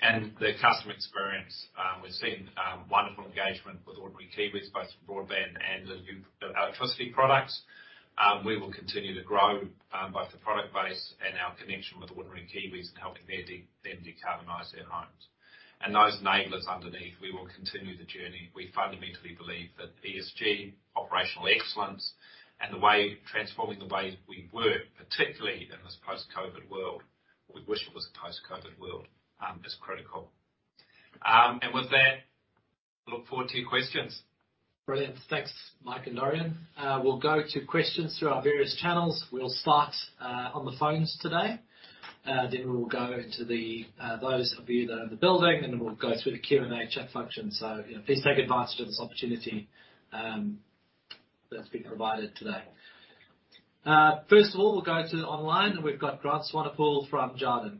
Speaker 2: The customer experience, we've seen wonderful engagement with ordinary Kiwis, both broadband and the new electricity products. We will continue to grow both the product base and our connection with ordinary Kiwis and helping them decarbonize their homes. Those enablers underneath, we will continue the journey. We fundamentally believe that ESG, operational excellence, and transforming the way we work, particularly in this post-COVID world, we wish it was post-COVID world, is critical. With that, look forward to your questions.
Speaker 1: Brilliant. Thanks, Mike and Dorian. We'll go to questions through our various channels. We'll start on the phones today. Then we'll go to those of you that are in the building, and then we'll go through the Q&A chat function. You know, please take advantage of this opportunity that's been provided today. First of all, we'll go to online, and we've got Grant Swanepoel from Jarden.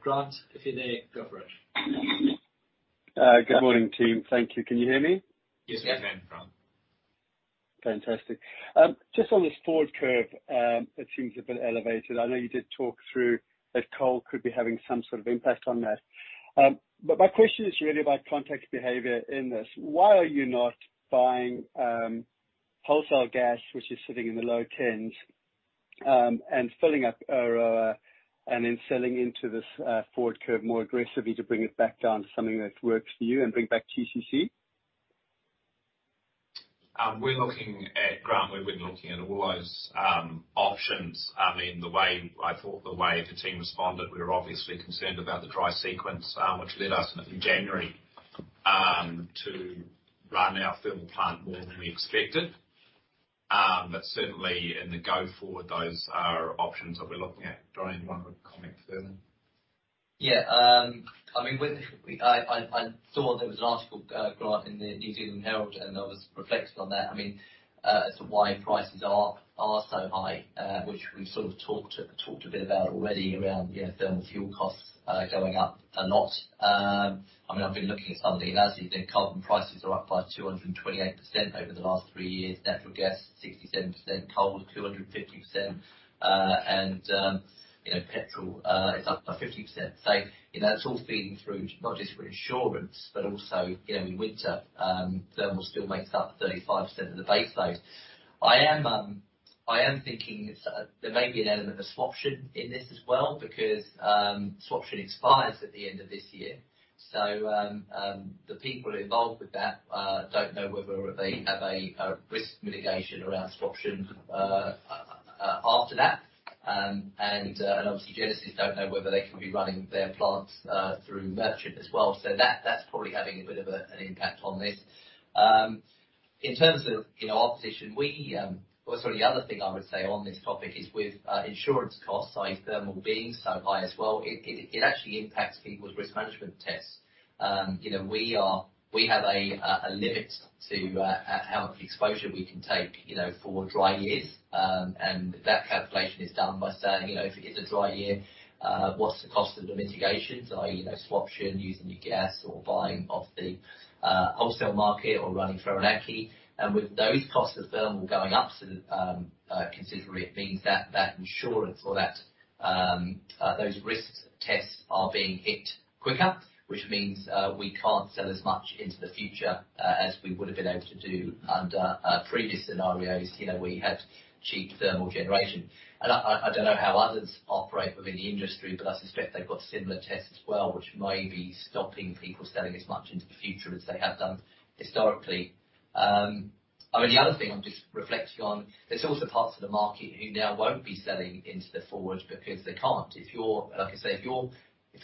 Speaker 1: Grant, if you're there, go for it.
Speaker 4: Good morning, team. Thank you. Can you hear me?
Speaker 2: Yes.
Speaker 3: Yes.
Speaker 4: Fantastic. Just on this forward curve, it seems a bit elevated. I know you did talk through that coal could be having some sort of impact on that. But my question is really about Contact's behavior in this. Why are you not buying wholesale gas, which is sitting in the low tens, and filling up, and then selling into this forward curve more aggressively to bring it back down to something that works for you and bring back TCC?
Speaker 2: We're looking at Grant. We've been looking at all those options. I mean, I thought the way the team responded, we're obviously concerned about the dry sequence, which led us in January to run our thermal plant more than we expected. Certainly in the go forward, those are options that we're looking at. Dorian, you wanna comment further?
Speaker 3: Yeah. I mean, I saw there was an article, Grant, in The New Zealand Herald, and I was reflecting on that. I mean, as to why prices are so high, which we've sort of talked a bit about already around, you know, thermal fuel costs going up a lot. I mean, I've been looking at some of the analyses, and carbon prices are up by 228% over the last three years. Natural gas, 67%. Coal, 250%. You know, petrol is up by 50%. You know, it's all feeding through not just for insurance, but also, you know, in winter, thermal still makes up 35% of the base load. I am thinking there may be an element of swaption in this as well because swaption expires at the end of this year. The people involved with that don't know whether they have a risk mitigation around swaption after that. Obviously Genesis don't know whether they can be running their plants through merchant as well. That's probably having a bit of an impact on this. In terms of you know our position we. Well sorry the other thing I would say on this topic is with insurance costs i.e. thermal being so high as well it actually impacts people's risk management tests. You know, we have a limit to how much exposure we can take, you know, for dry years. That calculation is done by saying, you know, if it is a dry year, what's the cost of the mitigations, i.e., you know, swaption, using your gas or buying off the wholesale market or running Whirinaki. With those costs of thermal going up so considerably, it means that insurance or those risks tests are being hit quicker, which means we can't sell as much into the future as we would have been able to do under previous scenarios, you know, where you had cheap thermal generation. I don't know how others operate within the industry, but I suspect they've got similar tests as well, which may be stopping people selling as much into the future as they have done historically. I mean, the other thing I'm just reflecting on, there's also parts of the market who now won't be selling into the forward because they can't. Like I say, if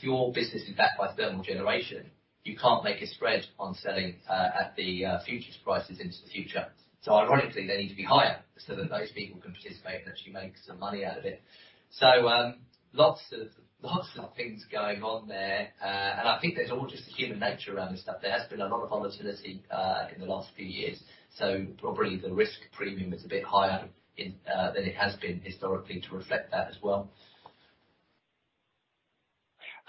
Speaker 3: your business is backed by thermal generation, you can't make a spread on selling at the futures prices into the future. So ironically, they need to be higher so that those people can participate and actually make some money out of it. So, lots of things going on there. I think there's also just the human nature around this stuff. There has been a lot of volatility in the last few years. Probably the risk premium is a bit higher than it has been historically to reflect that as well.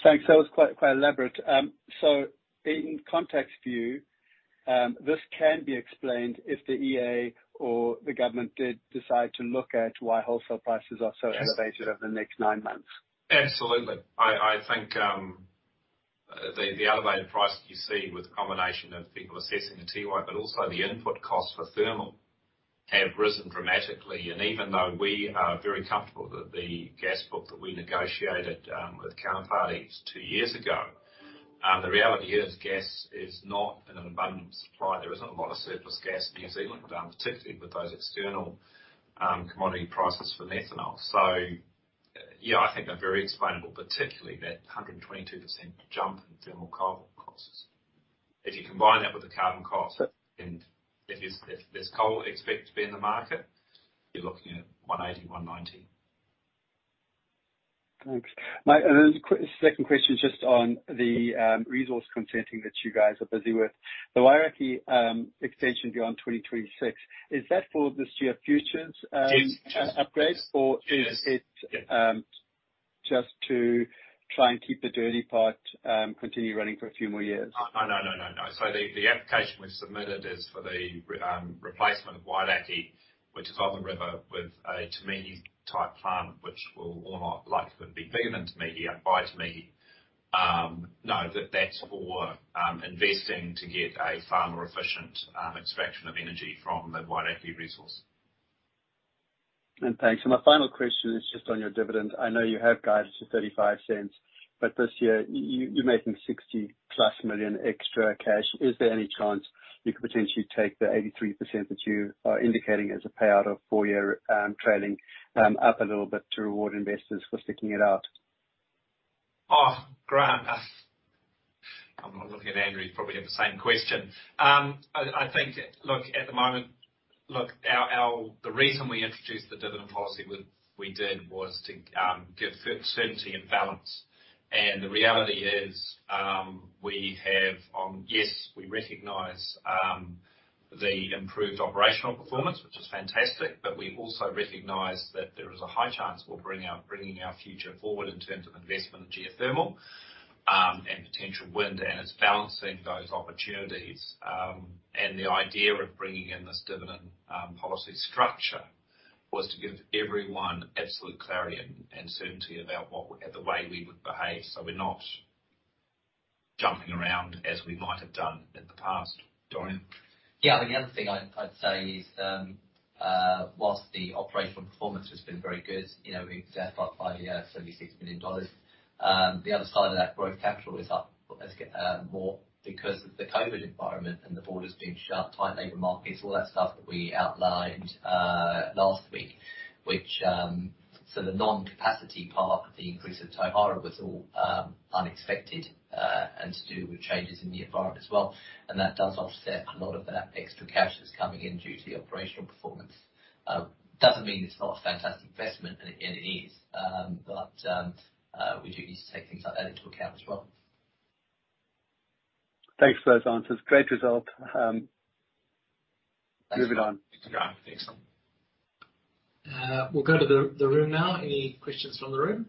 Speaker 4: Thanks. That was quite elaborate. In context view, this can be explained if the EA or the government did decide to look at why wholesale prices are so-
Speaker 2: Yes.
Speaker 4: Elevated over the next nine months.
Speaker 2: Absolutely. I think the elevated prices you see with the combination of people assessing the Tiwai, but also the input costs for thermal, have risen dramatically. Even though we are very comfortable that the gas book that we negotiated with OMV two years ago, the reality is gas is not in an abundant supply. There isn't a lot of surplus gas in New Zealand, particularly with those external commodity prices for methanol. Yeah, I think they're very explainable, particularly that 122% jump in thermal coal costs. If you combine that with the carbon cost, and if there's coal expected to be in the market, you're looking at 180-190.
Speaker 4: Thanks. Mike, and then a quick second question just on the resource consenting that you guys are busy with. The Wairakei extension beyond 2026, is that for this year futures-
Speaker 2: Yes.
Speaker 4: ...upgrade?
Speaker 2: Yes.
Speaker 4: Is it just to try and keep the dirty part continue running for a few more years?
Speaker 2: Oh, no. The application we've submitted is for the replacement of Wairakei, which is on the river, with a Te Mihi-type plant, which will or might likely be bigger than Te Mihi, by Te Mihi. No, that's for investing to get a far more efficient extraction of energy from the Wairakei resource.
Speaker 4: Thanks. My final question is just on your dividend. I know you have guidance to 35 cents, but this year you're making 60+ million extra cash. Is there any chance you could potentially take the 83% that you are indicating as a payout of 4-year trailing up a little bit to reward investors for sticking it out?
Speaker 2: I'm looking at Andrew, he'd probably have the same question. I think at the moment. The reason we introduced the dividend policy when we did was to give certainty and balance. The reality is, we have yes, we recognize the improved operational performance, which is fantastic, but we also recognize that there is a high chance we'll bringing our future forward in terms of investment in geothermal and potential wind, and it's balancing those opportunities. The idea of bringing in this dividend policy structure was to give everyone absolute clarity and certainty about the way we would behave. We're not jumping around as we might have done in the past. Dorian?
Speaker 3: Yeah, the other thing I'd say is, while the operational performance has been very good, you know, we've set up five-year 76 million dollars. The other side of that growth capital is up, let's say, more because of the COVID environment and the borders being shut, tight labor markets, all that stuff that we outlined last week. So the non-capacity part of the increase at Tauhara was all unexpected and to do with changes in the environment as well. That does offset a lot of that extra cash that's coming in due to the operational performance. Doesn't mean it's not a fantastic investment, and it is. But we do need to take things like that into account as well.
Speaker 4: Thanks for those answers. Great result. Moving on.
Speaker 2: Thanks.
Speaker 3: Thanks.
Speaker 1: We'll go to the room now. Any questions from the room?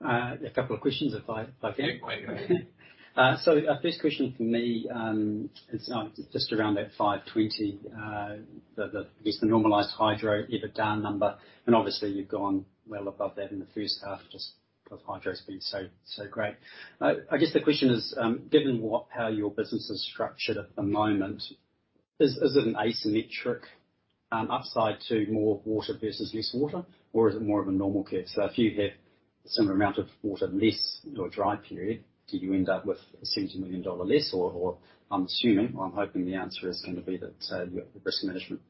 Speaker 5: A couple of questions if I may.
Speaker 1: Yeah, go ahead.
Speaker 5: First question from me is just around that 520, the normalized hydro EBITDA number. Obviously you've gone well above that in the first half, just 'cause hydro's been so great. I guess the question is, given how your business is structured at the moment, is it an asymmetric upside to more water versus less water? Or is it more of a normal curve? If you have similar amount of water less in a dry period, do you end up with 70 million dollar less? Or I'm assuming, or I'm hoping the answer is gonna be that you've got risk management.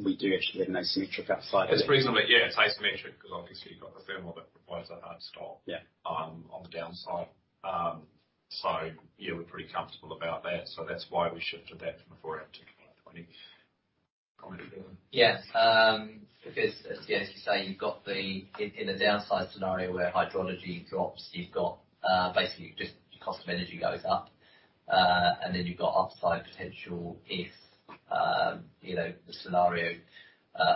Speaker 5: We do actually have an asymmetric upside.
Speaker 2: Yeah, it's asymmetric 'cause obviously you've got the thermal that provides a hard stop.
Speaker 5: Yeah.
Speaker 2: On the downside. Yeah, we're pretty comfortable about that. That's why we shifted that from four up to 520. Comment, Dorian.
Speaker 3: Because as you say, you've got in a downside scenario where hydrology drops, you've got basically just your cost of energy goes up. And then you've got upside potential if you know, the scenario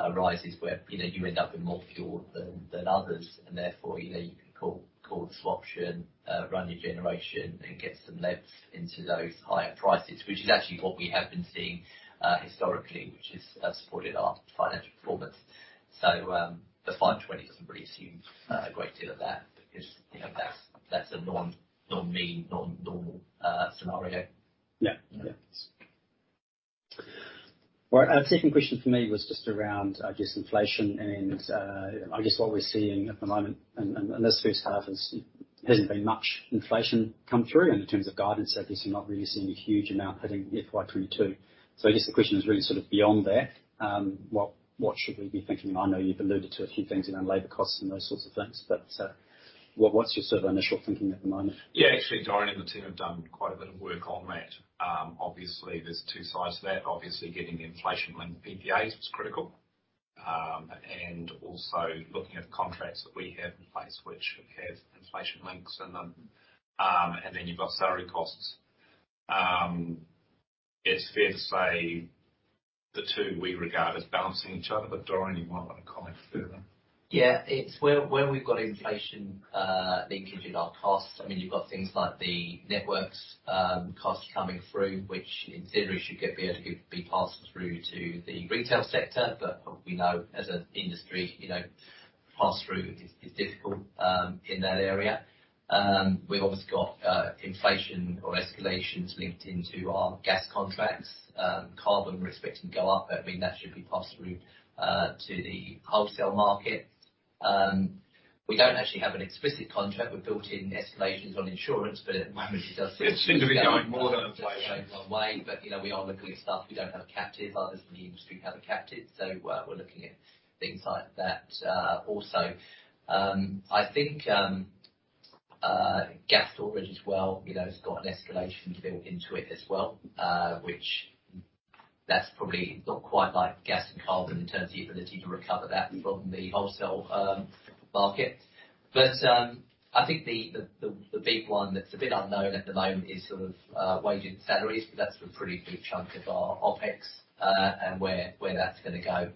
Speaker 3: arises where you know, you end up with more fuel than others, and therefore you know, you can call the swap option, run your generation, and get some legs into those higher prices. Which is actually what we have been seeing historically, which has supported our financial performance. The 520 doesn't really assume a great deal of that because you know, that's a non-mean, non-normal scenario.
Speaker 5: Yeah. All right. A second question for me was just around just inflation and I guess what we're seeing at the moment. In this first half, hasn't been much inflation come through in terms of guidance. Obviously not really seeing a huge amount hitting FY 2022. I guess the question is really sort of beyond that, what should we be thinking? I know you've alluded to a few things around labor costs and those sorts of things, but what’s your sort of initial thinking at the moment?
Speaker 2: Yeah. Actually, Dorian and the team have done quite a bit of work on that. Obviously there's two sides to that. Obviously getting inflation-linked PPAs was critical. Also looking at the contracts that we have in place which have inflation links in them. You've got salary costs. It's fair to say the two we regard as balancing each other. Dorian, you might wanna comment further.
Speaker 3: Yeah. It's where we've got inflation linkage in our costs. I mean, you've got things like the networks costs coming through, which in theory should be passed through to the retail sector. We know as an industry, you know, pass-through is difficult in that area. We've obviously got inflation or escalations linked into our gas contracts. Carbon risks can go up, but I mean, that should be passed through to the wholesale market. We don't actually have an explicit contract. We've built in escalations on insurance, but it manages us to
Speaker 2: It seems to be going more than its way.
Speaker 3: You know, we are looking at stuff we don't have capped in. Others in the industry have it capped in. We're looking at things like that. Also, I think gas storage as well, you know, has got an escalation built into it as well, which that's probably not quite like gas and carbon in terms of the ability to recover that from the wholesale market. I think the big one that's a bit unknown at the moment is sort of wages and salaries, but that's a pretty big chunk of our OpEx, and where that's gonna go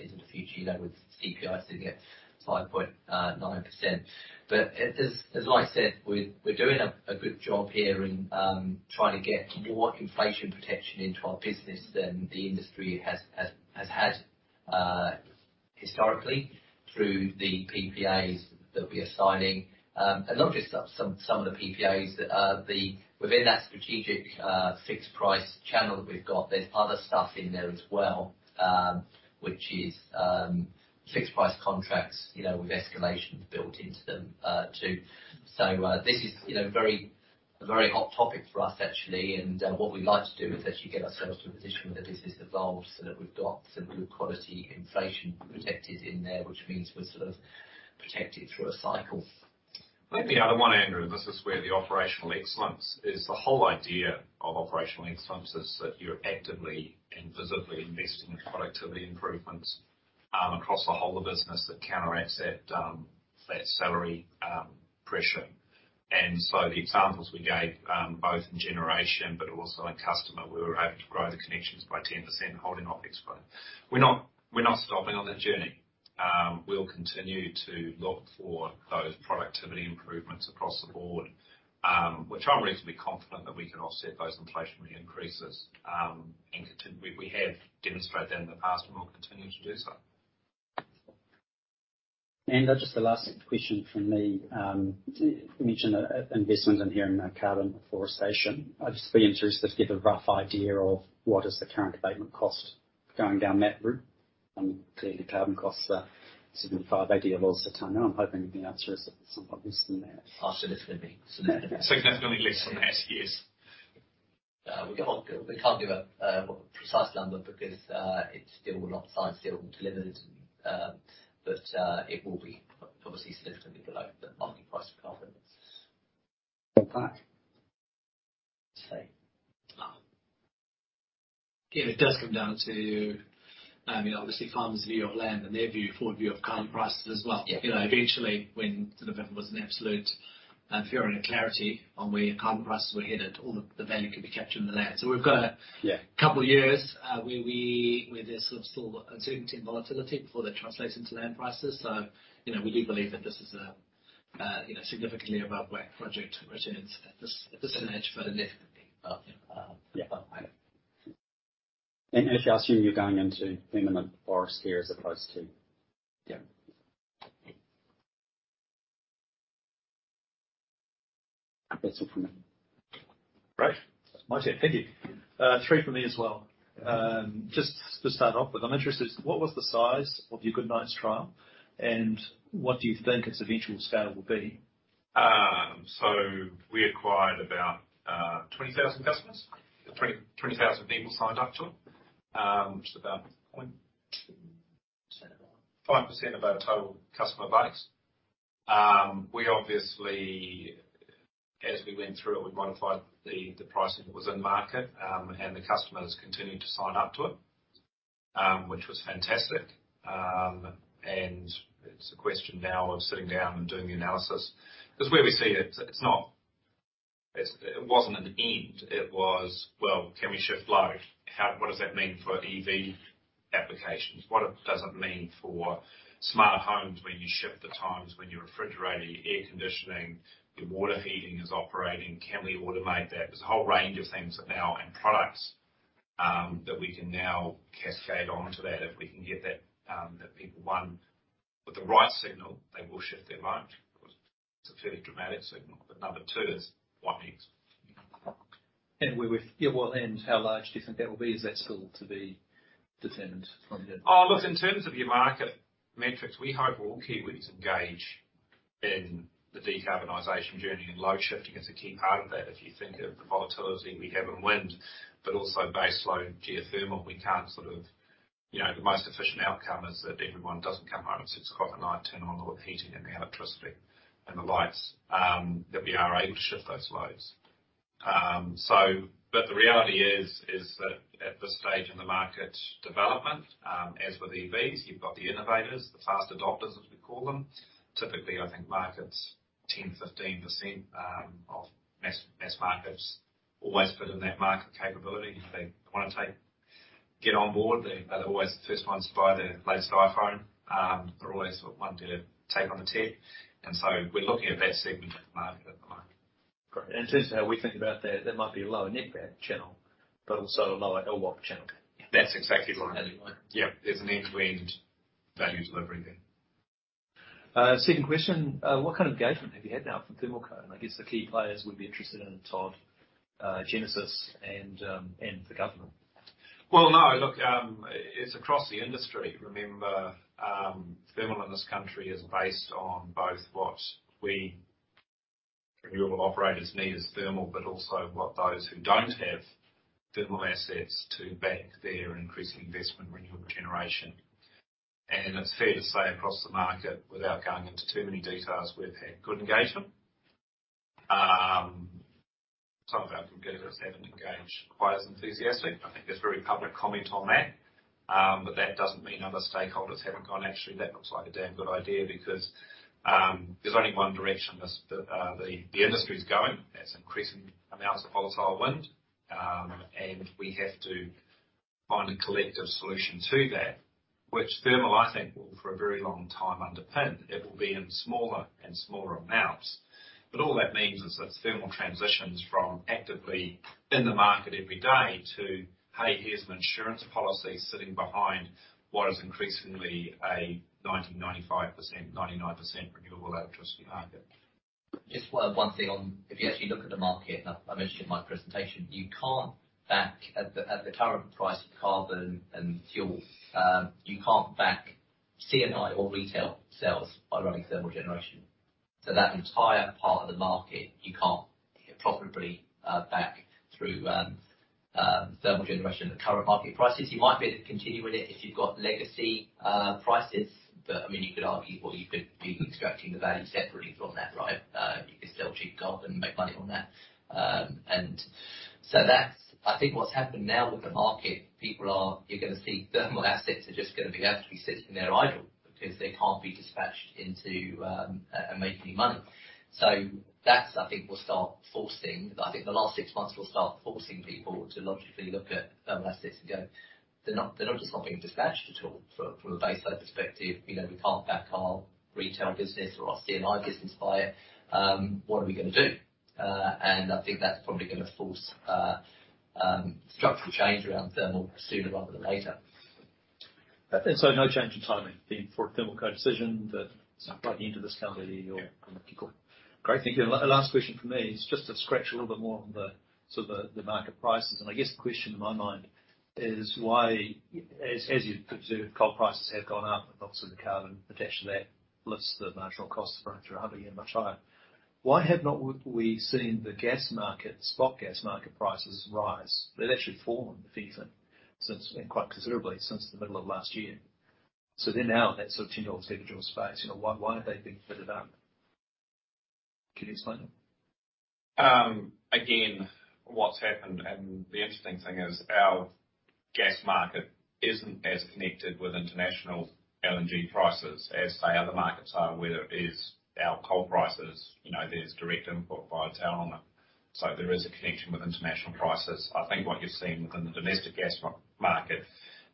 Speaker 3: into the future, you know, with CPI sitting at 5.9%. As like I said, we're doing a good job here in trying to get more inflation protection into our business than the industry has had historically through the PPAs that we are signing. Not just some of the PPAs. Within that strategic fixed price channel that we've got, there's other stuff in there as well, which is fixed price contracts, you know, with escalations built into them too. This is, you know, a very hot topic for us actually. What we'd like to do is actually get ourselves to a position where the business evolves so that we've got some good quality inflation protectors in there, which means we're sort of protected through a cycle.
Speaker 2: I think the other one, Andrew, and this is where the operational excellence is. The whole idea of operational excellence is that you're actively and visibly investing in productivity improvements across the whole of business that counteracts that salary pressure. The examples we gave both in generation but also in customer, we were able to grow the connections by 10%, holding OpEx flat. We're not stopping on that journey. We'll continue to look for those productivity improvements across the board, which I'm reasonably confident that we can offset those inflationary increases. We have demonstrated that in the past, and we'll continue to do so.
Speaker 5: Just the last question from me. You mentioned investment in here in carbon afforestation. I'd just be interested if you could give a rough idea of what is the current abatement cost going down that route. Clearly carbon costs are NZD 75-NZD 80 a ton. I'm hoping you can answer us somewhat less than that.
Speaker 3: Oh, significantly.
Speaker 2: Significantly less than that, yes.
Speaker 3: We can't give a precise number because it's still not signed, sealed, and delivered. It will be obviously significantly below the market price of carbon.
Speaker 5: Okay.
Speaker 3: So-
Speaker 1: Yeah, it does come down to, I mean, obviously farmers' view of land and their forward view of carbon prices as well.
Speaker 3: Yeah.
Speaker 1: You know, eventually when sort of everyone has absolute clarity on where your carbon prices were headed, all the value could be captured in the land. We've got a-
Speaker 3: Yeah.
Speaker 1: A couple years, where there's sort of still uncertainty and volatility before that translates into land prices. You know, we do believe that this is a, you know, significantly above WACC project returns at this stage, but it definitely, yeah.
Speaker 3: If you assume you're going into permanent forest here as opposed to.
Speaker 1: Yeah.
Speaker 3: That's all from me.
Speaker 6: Great. My turn. Thank you. Three from me as well. Just to start off with, I'm interested, what was the size of your Good Nights trial, and what do you think its eventual scale will be? So we acquired about 20,000 customers. 20,000 people signed up to it, which is about 0.25% of our total customer base. We obviously, as we went through it, we modified the pricing that was in market, and the customers continued to sign up to it, which was fantastic. And it's a question now of sitting down and doing the analysis. 'Cause where we see it wasn't an end. It was, well, can we shift load? What does that mean for EV applications?
Speaker 2: What does it mean for smarter homes when you shift the times when your refrigerator, your air conditioning, your water heating is operating, can we automate that? There's a whole range of things now and products that we can now cascade onto that if we can get that people, one, with the right signal, they will shift their load. It's a fairly dramatic signal, but number two is what next?
Speaker 6: Yeah, well, and how large do you think that will be? Is that still to be determined from the-
Speaker 2: Oh, look, in terms of your market metrics, we hope all Kiwis engage in the decarbonization journey, and load shifting is a key part of that. If you think of the volatility we have in wind, but also base load geothermal, you know, the most efficient outcome is that everyone doesn't come home at 6:00 P.M., turn on all the heating and the electricity and the lights, that we are able to shift those loads. The reality is that at this stage in the market development, as with EVs, you've got the innovators, the early adopters, as we call them. Typically, I think markets 10%-15% of mass markets always fit in that market capability. They wanna get on board. They're always the first ones to buy the latest iPhone. They're always the one to take on the tech. We're looking at that segment of the market at the moment.
Speaker 6: Great. In terms of how we think about that might be a lower net back channel, but also a lower LRMC channel.
Speaker 2: That's exactly right.
Speaker 6: Anyway.
Speaker 2: Yeah. There's an end-to-end value delivery there.
Speaker 6: Second question. What kind of engagement have you had now from ThermalCo? I guess the key players would be interested in Todd, Genesis and the government.
Speaker 2: Well, no. Look, it's across the industry. Remember, thermal in this country is based on both what we renewable operators need as thermal, but also what those who don't have thermal assets to bank their increased investment in renewable generation. It's fair to say across the market, without going into too many details, we've had good engagement. Some of our competitors haven't engaged quite as enthusiastically. I think there's very public comment on that. That doesn't mean other stakeholders haven't gone, "Actually, that looks like a damn good idea," because there's only one direction this industry is going. That's increasing amounts of volatile wind. We have to find a collective solution to that, which thermal, I think, will for a very long time underpin. It will be in smaller and smaller amounts. All that means is that thermal transitions from actively in the market every day to, hey, here's an insurance policy sitting behind what is increasingly a 90%, 95%, 99% renewable electricity market.
Speaker 3: Just one thing on. If you actually look at the market, I mentioned in my presentation, you can't back into the current price of carbon and fuel. You can't back into C&I or retail sales by running thermal generation. That entire part of the market, you can't profitably back into thermal generation at current market prices. You might be able to continue in it if you've got legacy backs. I mean, you could argue, well, you could be extracting the value separately from that, right? You could sell cheap coal and make money on that. I think what's happened now with the market, people are. You're gonna see thermal assets are just gonna be actually sitting there idle because they can't be dispatched into making money. That's, I think, will start forcing. I think the last six months will start forcing people to logically look at thermal assets and go, "They're not just not being dispatched at all from a baseline perspective. You know, we can't back our retail business or our C&I business by it. What are we gonna do?" I think that's probably gonna force structural change around thermal sooner rather than later.
Speaker 6: No change in timing then for a ThermalCo decision that's right into this calendar year.
Speaker 3: Yeah.
Speaker 6: Cool. Great. Thank you. Last question from me is just to scratch a little bit more on the sort of market prices. I guess the question in my mind is why, as you'd presume, coal prices have gone up and obviously the carbon attached to that lifts the marginal cost for Huntly much higher. Why have we not seen the gas market, spot gas market prices rise? They've actually fallen even since, and quite considerably, since the middle of last year. They're now in that sort of NZD 10, NZD 8 space. You know, why have they been bid up? Can you explain that?
Speaker 2: Again, what's happened, and the interesting thing is our gas market isn't as connected with international LNG prices as, say, other markets are, whether it is our coal prices, you know, there's direct input via Tauranga. There is a connection with international prices. I think what you're seeing within the domestic gas market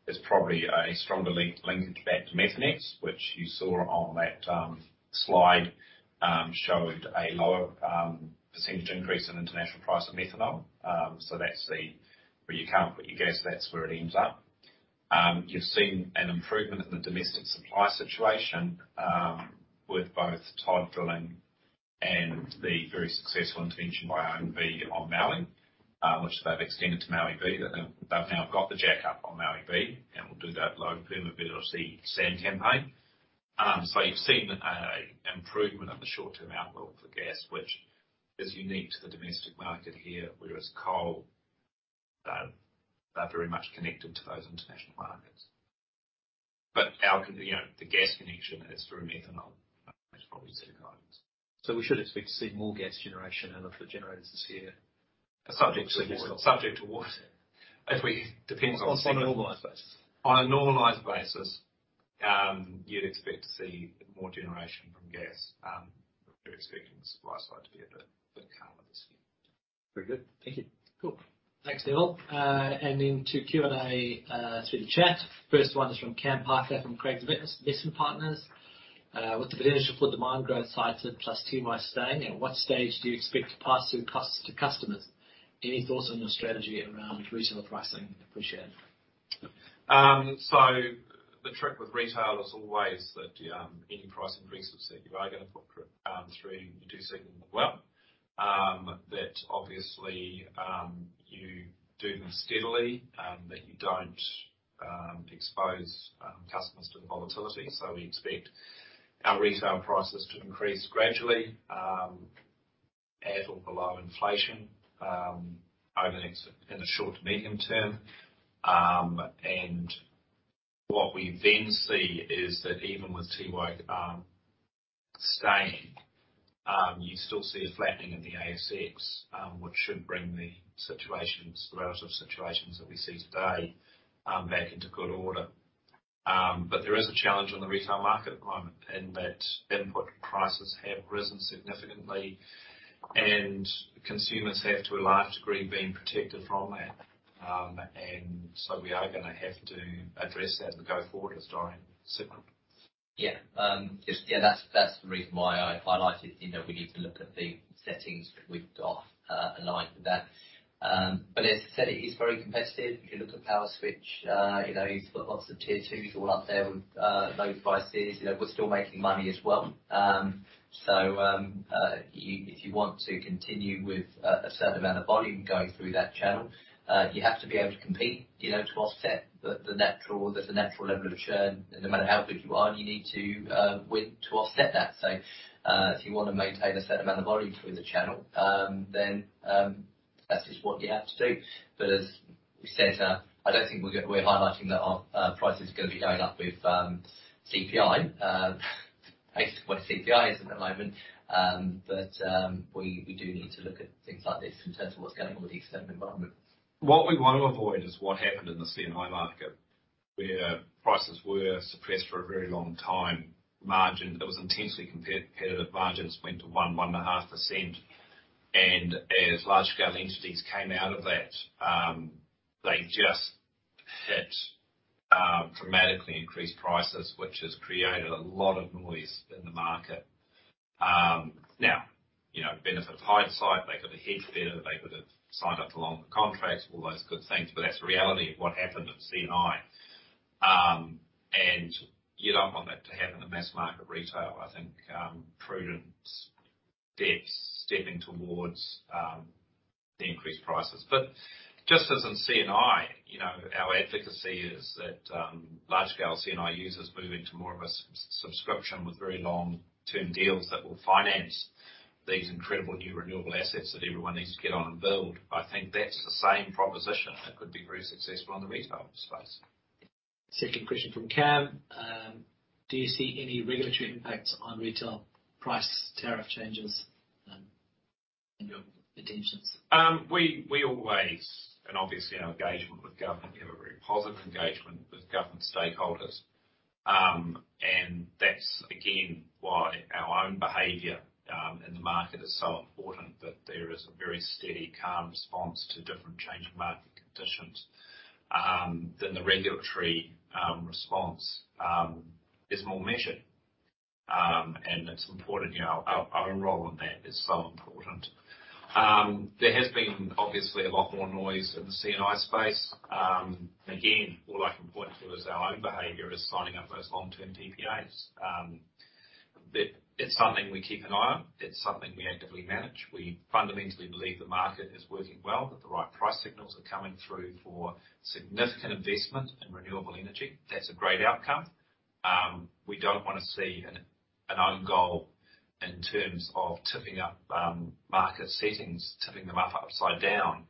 Speaker 2: is probably a stronger link, linkage back to methanol, which you saw on that slide, showed a lower percentage increase in international price of methanol. That's where you can't put your gas, that's where it ends up. You're seeing an improvement in the domestic supply situation with both tide filling and the very successful intervention by OMV on Maui, which they've extended to Māui B. They've now got the jack up on Māui B and will do that low permeability sand campaign. You've seen an improvement in the short-term outlook for gas, which is unique to the domestic market here, whereas coal, they're very much connected to those international markets. Our, you know, the gas connection is through methanol, which probably is set in islands.
Speaker 6: We should expect to see more gas generation out of the generators this year.
Speaker 2: Depends on.
Speaker 6: On a normalized basis.
Speaker 2: On a normalized basis, you'd expect to see more generation from gas. We're expecting the supply side to be a bit calmer this year.
Speaker 6: Very good. Thank you. Cool.
Speaker 7: Thanks, Neil. Into Q&A, through the chat. First one is from Cameron Parker from Craigs Investment Partners. With the potential for demand growth cited +2% might stay, at what stage do you expect to pass through costs to customers? Any thoughts on your strategy around retail pricing? Appreciate it.
Speaker 2: The trick with retail is always that any price increases that you are gonna put through, you do signal them well, that obviously you do them steadily, that you don't expose customers to the volatility. We expect our retail prices to increase gradually at or below inflation over the next in the short to medium term. What we then see is that even with Tiwai staying, you still see a flattening of the ASX, which should bring the situations, the relative situations that we see today back into good order. There is a challenge on the retail market at the moment in that input prices have risen significantly, and consumers have to a large degree been protected from that. We are gonna have to address that and go forward as Dorian said.
Speaker 3: Yeah. That's the reason why I highlighted, you know, we need to look at the settings that we've got in line with that. As I said, it is very competitive. If you look at Powerswitch, you know, you've got lots of tier twos all up there with low prices. You know, we're still making money as well. If you want to continue with a certain amount of volume going through that channel, you have to be able to compete, you know, to offset the natural level of churn. No matter how good you are, you need to win to offset that. If you wanna maintain a certain amount of volume through the channel, that's just what you have to do. As we said, I don't think we're highlighting that our price is gonna be going up with CPI, based on what CPI is at the moment. We do need to look at things like this in terms of what's going on with the external environment.
Speaker 2: What we wanna avoid is what happened in the C&I market, where prices were suppressed for a very long time. Margins. It was intensely competitive. Margins went to 1.5%. As large-scale entities came out of that, they just hit dramatically increased prices, which has created a lot of noise in the market. Now, you know, benefit of hindsight, they could have hedged better, they could have signed up to longer contracts, all those good things, but that's the reality of what happened with C&I. You don't want that to happen in the mass market retail. I think, prudent steps towards the increased prices. Just as in C&I, you know, our advocacy is that large scale C&I users move into more of a subscription with very long-term deals that will finance these incredible new renewable assets that everyone needs to get on and build. I think that's the same proposition that could be very successful in the retail space.
Speaker 7: Second question from Cam. Do you see any regulatory impacts on retail price tariff changes in your intentions?
Speaker 2: We always obviously our engagement with government, we have a very positive engagement with government stakeholders. That's again why our own behavior in the market is so important, that there is a very steady, calm response to different changing market conditions. The regulatory response is more measured. It's important, you know. I'll enroll on that. It's so important. There has been obviously a lot more noise in the C&I space. Again, all I can point to is our own behavior is signing up those long-term PPAs. It's something we keep an eye on. It's something we actively manage. We fundamentally believe the market is working well, that the right price signals are coming through for significant investment in renewable energy. That's a great outcome. We don't wanna see an own goal in terms of tipping up market settings, tipping them up upside down,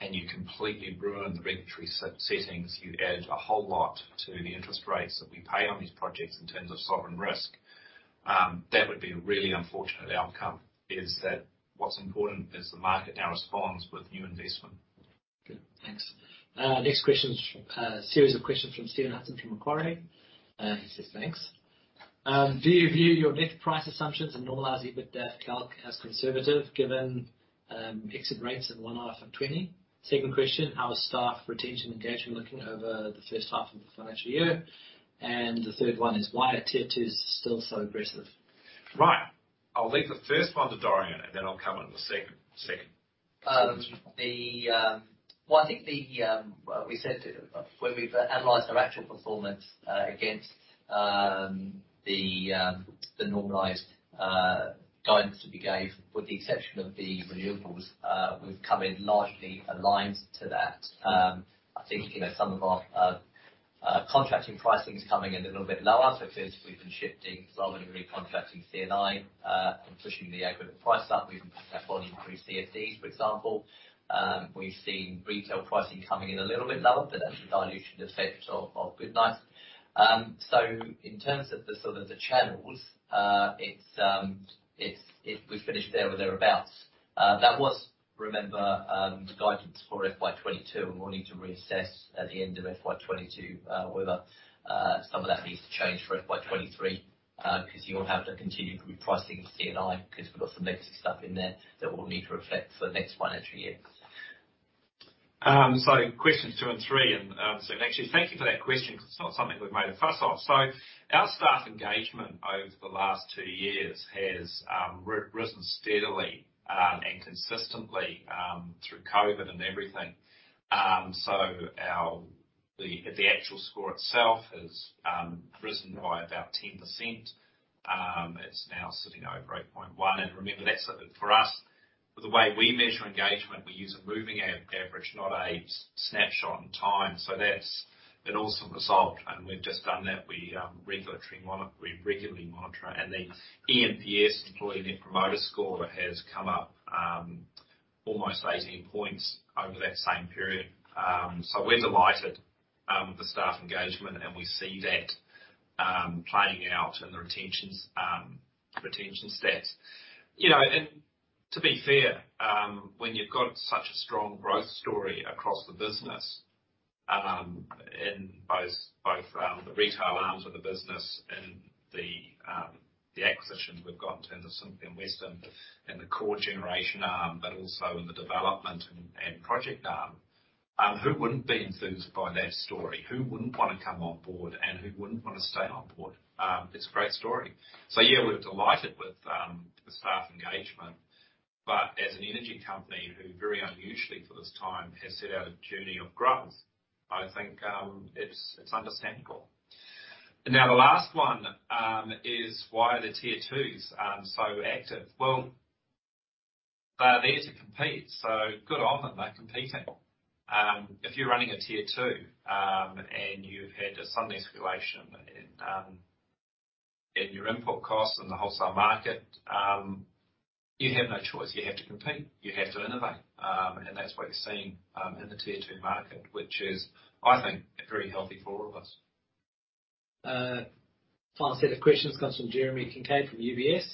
Speaker 2: and you completely ruin the regulatory settings. You add a whole lot to the interest rates that we pay on these projects in terms of sovereign risk. That would be a really unfortunate outcome. What's important is that the market now responds with new investment.
Speaker 7: Good. Thanks. Next question is a series of questions from Stephen Hudson from Macquarie. He says, "Thanks. Do you view your net price assumptions and normalized EBITDA calc as conservative given exit rates in the first half of 2020? Second question: How is staff retention and engagement looking over the first half of the financial year? And the third one is: Why are tier twos still so aggressive?
Speaker 2: Right. I'll leave the first one to Dorian, and then I'll comment on the second.
Speaker 3: Well, I think we said it when we've analyzed our actual performance against the normalized guidance that we gave. With the exception of the renewables, we've come in largely aligned to that. I think, you know, some of our contracting pricing is coming in a little bit lower. It feels we've been shifting slower than recontracting C&I, and pushing the aggregate price up. We've been pushing that volume through CFDs, for example. We've seen retail pricing coming in a little bit lower. The dilution effect of Good Nights. In terms of the sort of channels, it's we've finished there or thereabout. That was, remember, the guidance for FY 2022, and we'll need to reassess at the end of FY 2022 whether some of that needs to change for FY 2023, 'cause you'll have the continued repricing of C&I, 'cause we've got some legacy stuff in there that we'll need to reflect for the next financial year.
Speaker 2: Questions two and three. Actually, thank you for that question, 'cause it's not something we've made a fuss of. Our staff engagement over the last two years has risen steadily and consistently through COVID and everything. The actual score itself has risen by about 10%. It's now sitting over 8.1. Remember, for us, the way we measure engagement, we use a moving average, not a snapshot in time. That's an awesome result. We've just done that. We regularly monitor. The eNPS, Employee Net Promoter Score, has come up almost 18 points over that same period. We're delighted with the staff engagement, and we see that playing out in the retention stats. You know, to be fair, when you've got such a strong growth story across the business, in both the retail arms of the business and the acquisitions we've got in terms of Simply and Western and the core generation arm, but also in the development and project arm, who wouldn't be enthused by that story? Who wouldn't wanna come on board, and who wouldn't wanna stay on board? It's a great story. So yeah, we're delighted with the staff engagement. As an energy company who very unusually for this time has set out a journey of growth, I think it's understandable. Now, the last one is why are the tier twos so active? Well, they are there to compete, so good on them, they're competing. If you're running a tier two and you've had a sudden escalation in your input costs in the wholesale market, you have no choice. You have to compete. You have to innovate. That's what you're seeing in the tier two market, which is, I think, very healthy for all of us.
Speaker 7: Final set of questions comes from Jeremy Kincaid from UBS.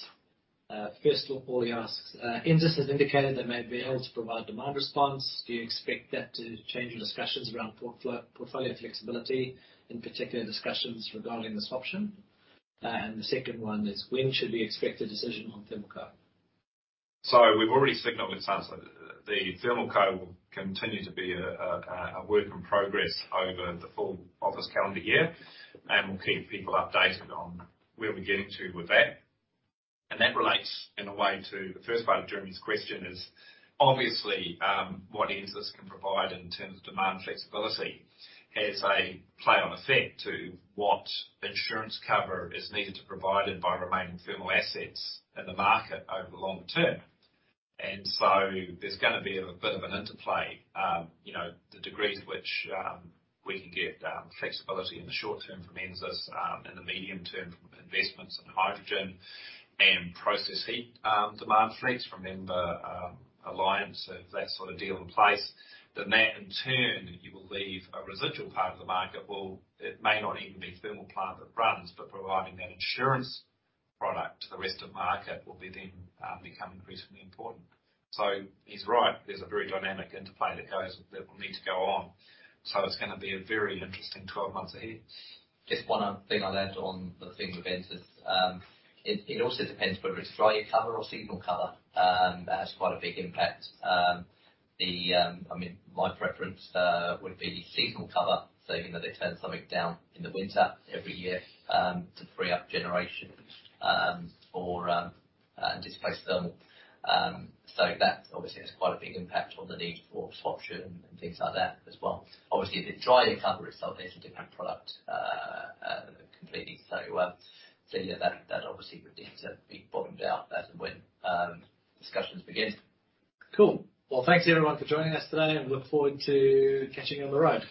Speaker 7: First of all, he asks, "Enesys has indicated they may be able to provide demand response. Do you expect that to change your discussions around portfolio flexibility, in particular discussions regarding the swap option?" The second one is: "When should we expect a decision on ThermalCo?
Speaker 2: We've already signaled with Samsung that the ThermalCo will continue to be a work in progress over the full FY calendar year, and we'll keep people updated on where we're getting to with that. That relates in a way to the first part of Jeremy's question. Obviously, what Enesys can provide in terms of demand flexibility has a knock-on effect to what insurance cover is needed to provide and by remaining thermal assets in the market over the long term. There's gonna be a bit of an interplay, you know, the degree to which we can get flexibility in the short term from Enesys, in the medium term from investments in hydrogen and process heat, demand flex from Meridian alliance. If that sort of deal in place, then that in turn, you will leave a residual part of the market. Well, it may not even be thermal plant that runs, but providing that insurance product to the rest of the market will be then become increasingly important. He's right. There's a very dynamic interplay that goes with that will need to go on. It's gonna be a very interesting 12 months ahead.
Speaker 3: Just one other thing I'll add on the thing with Enesys. It also depends whether it's dry cover or seasonal cover. That has quite a big impact. I mean, my preference would be seasonal cover, so you know, they turn something down in the winter every year to free up generation or displace thermal. That obviously has quite a big impact on the need for swap option and things like that as well. Obviously, if it's dry cover, it's obviously a different product completely. Yeah, that obviously would need to be bottomed out as and when discussions begin.
Speaker 2: Cool. Well, thanks everyone for joining us today, and we look forward to catching you on the road.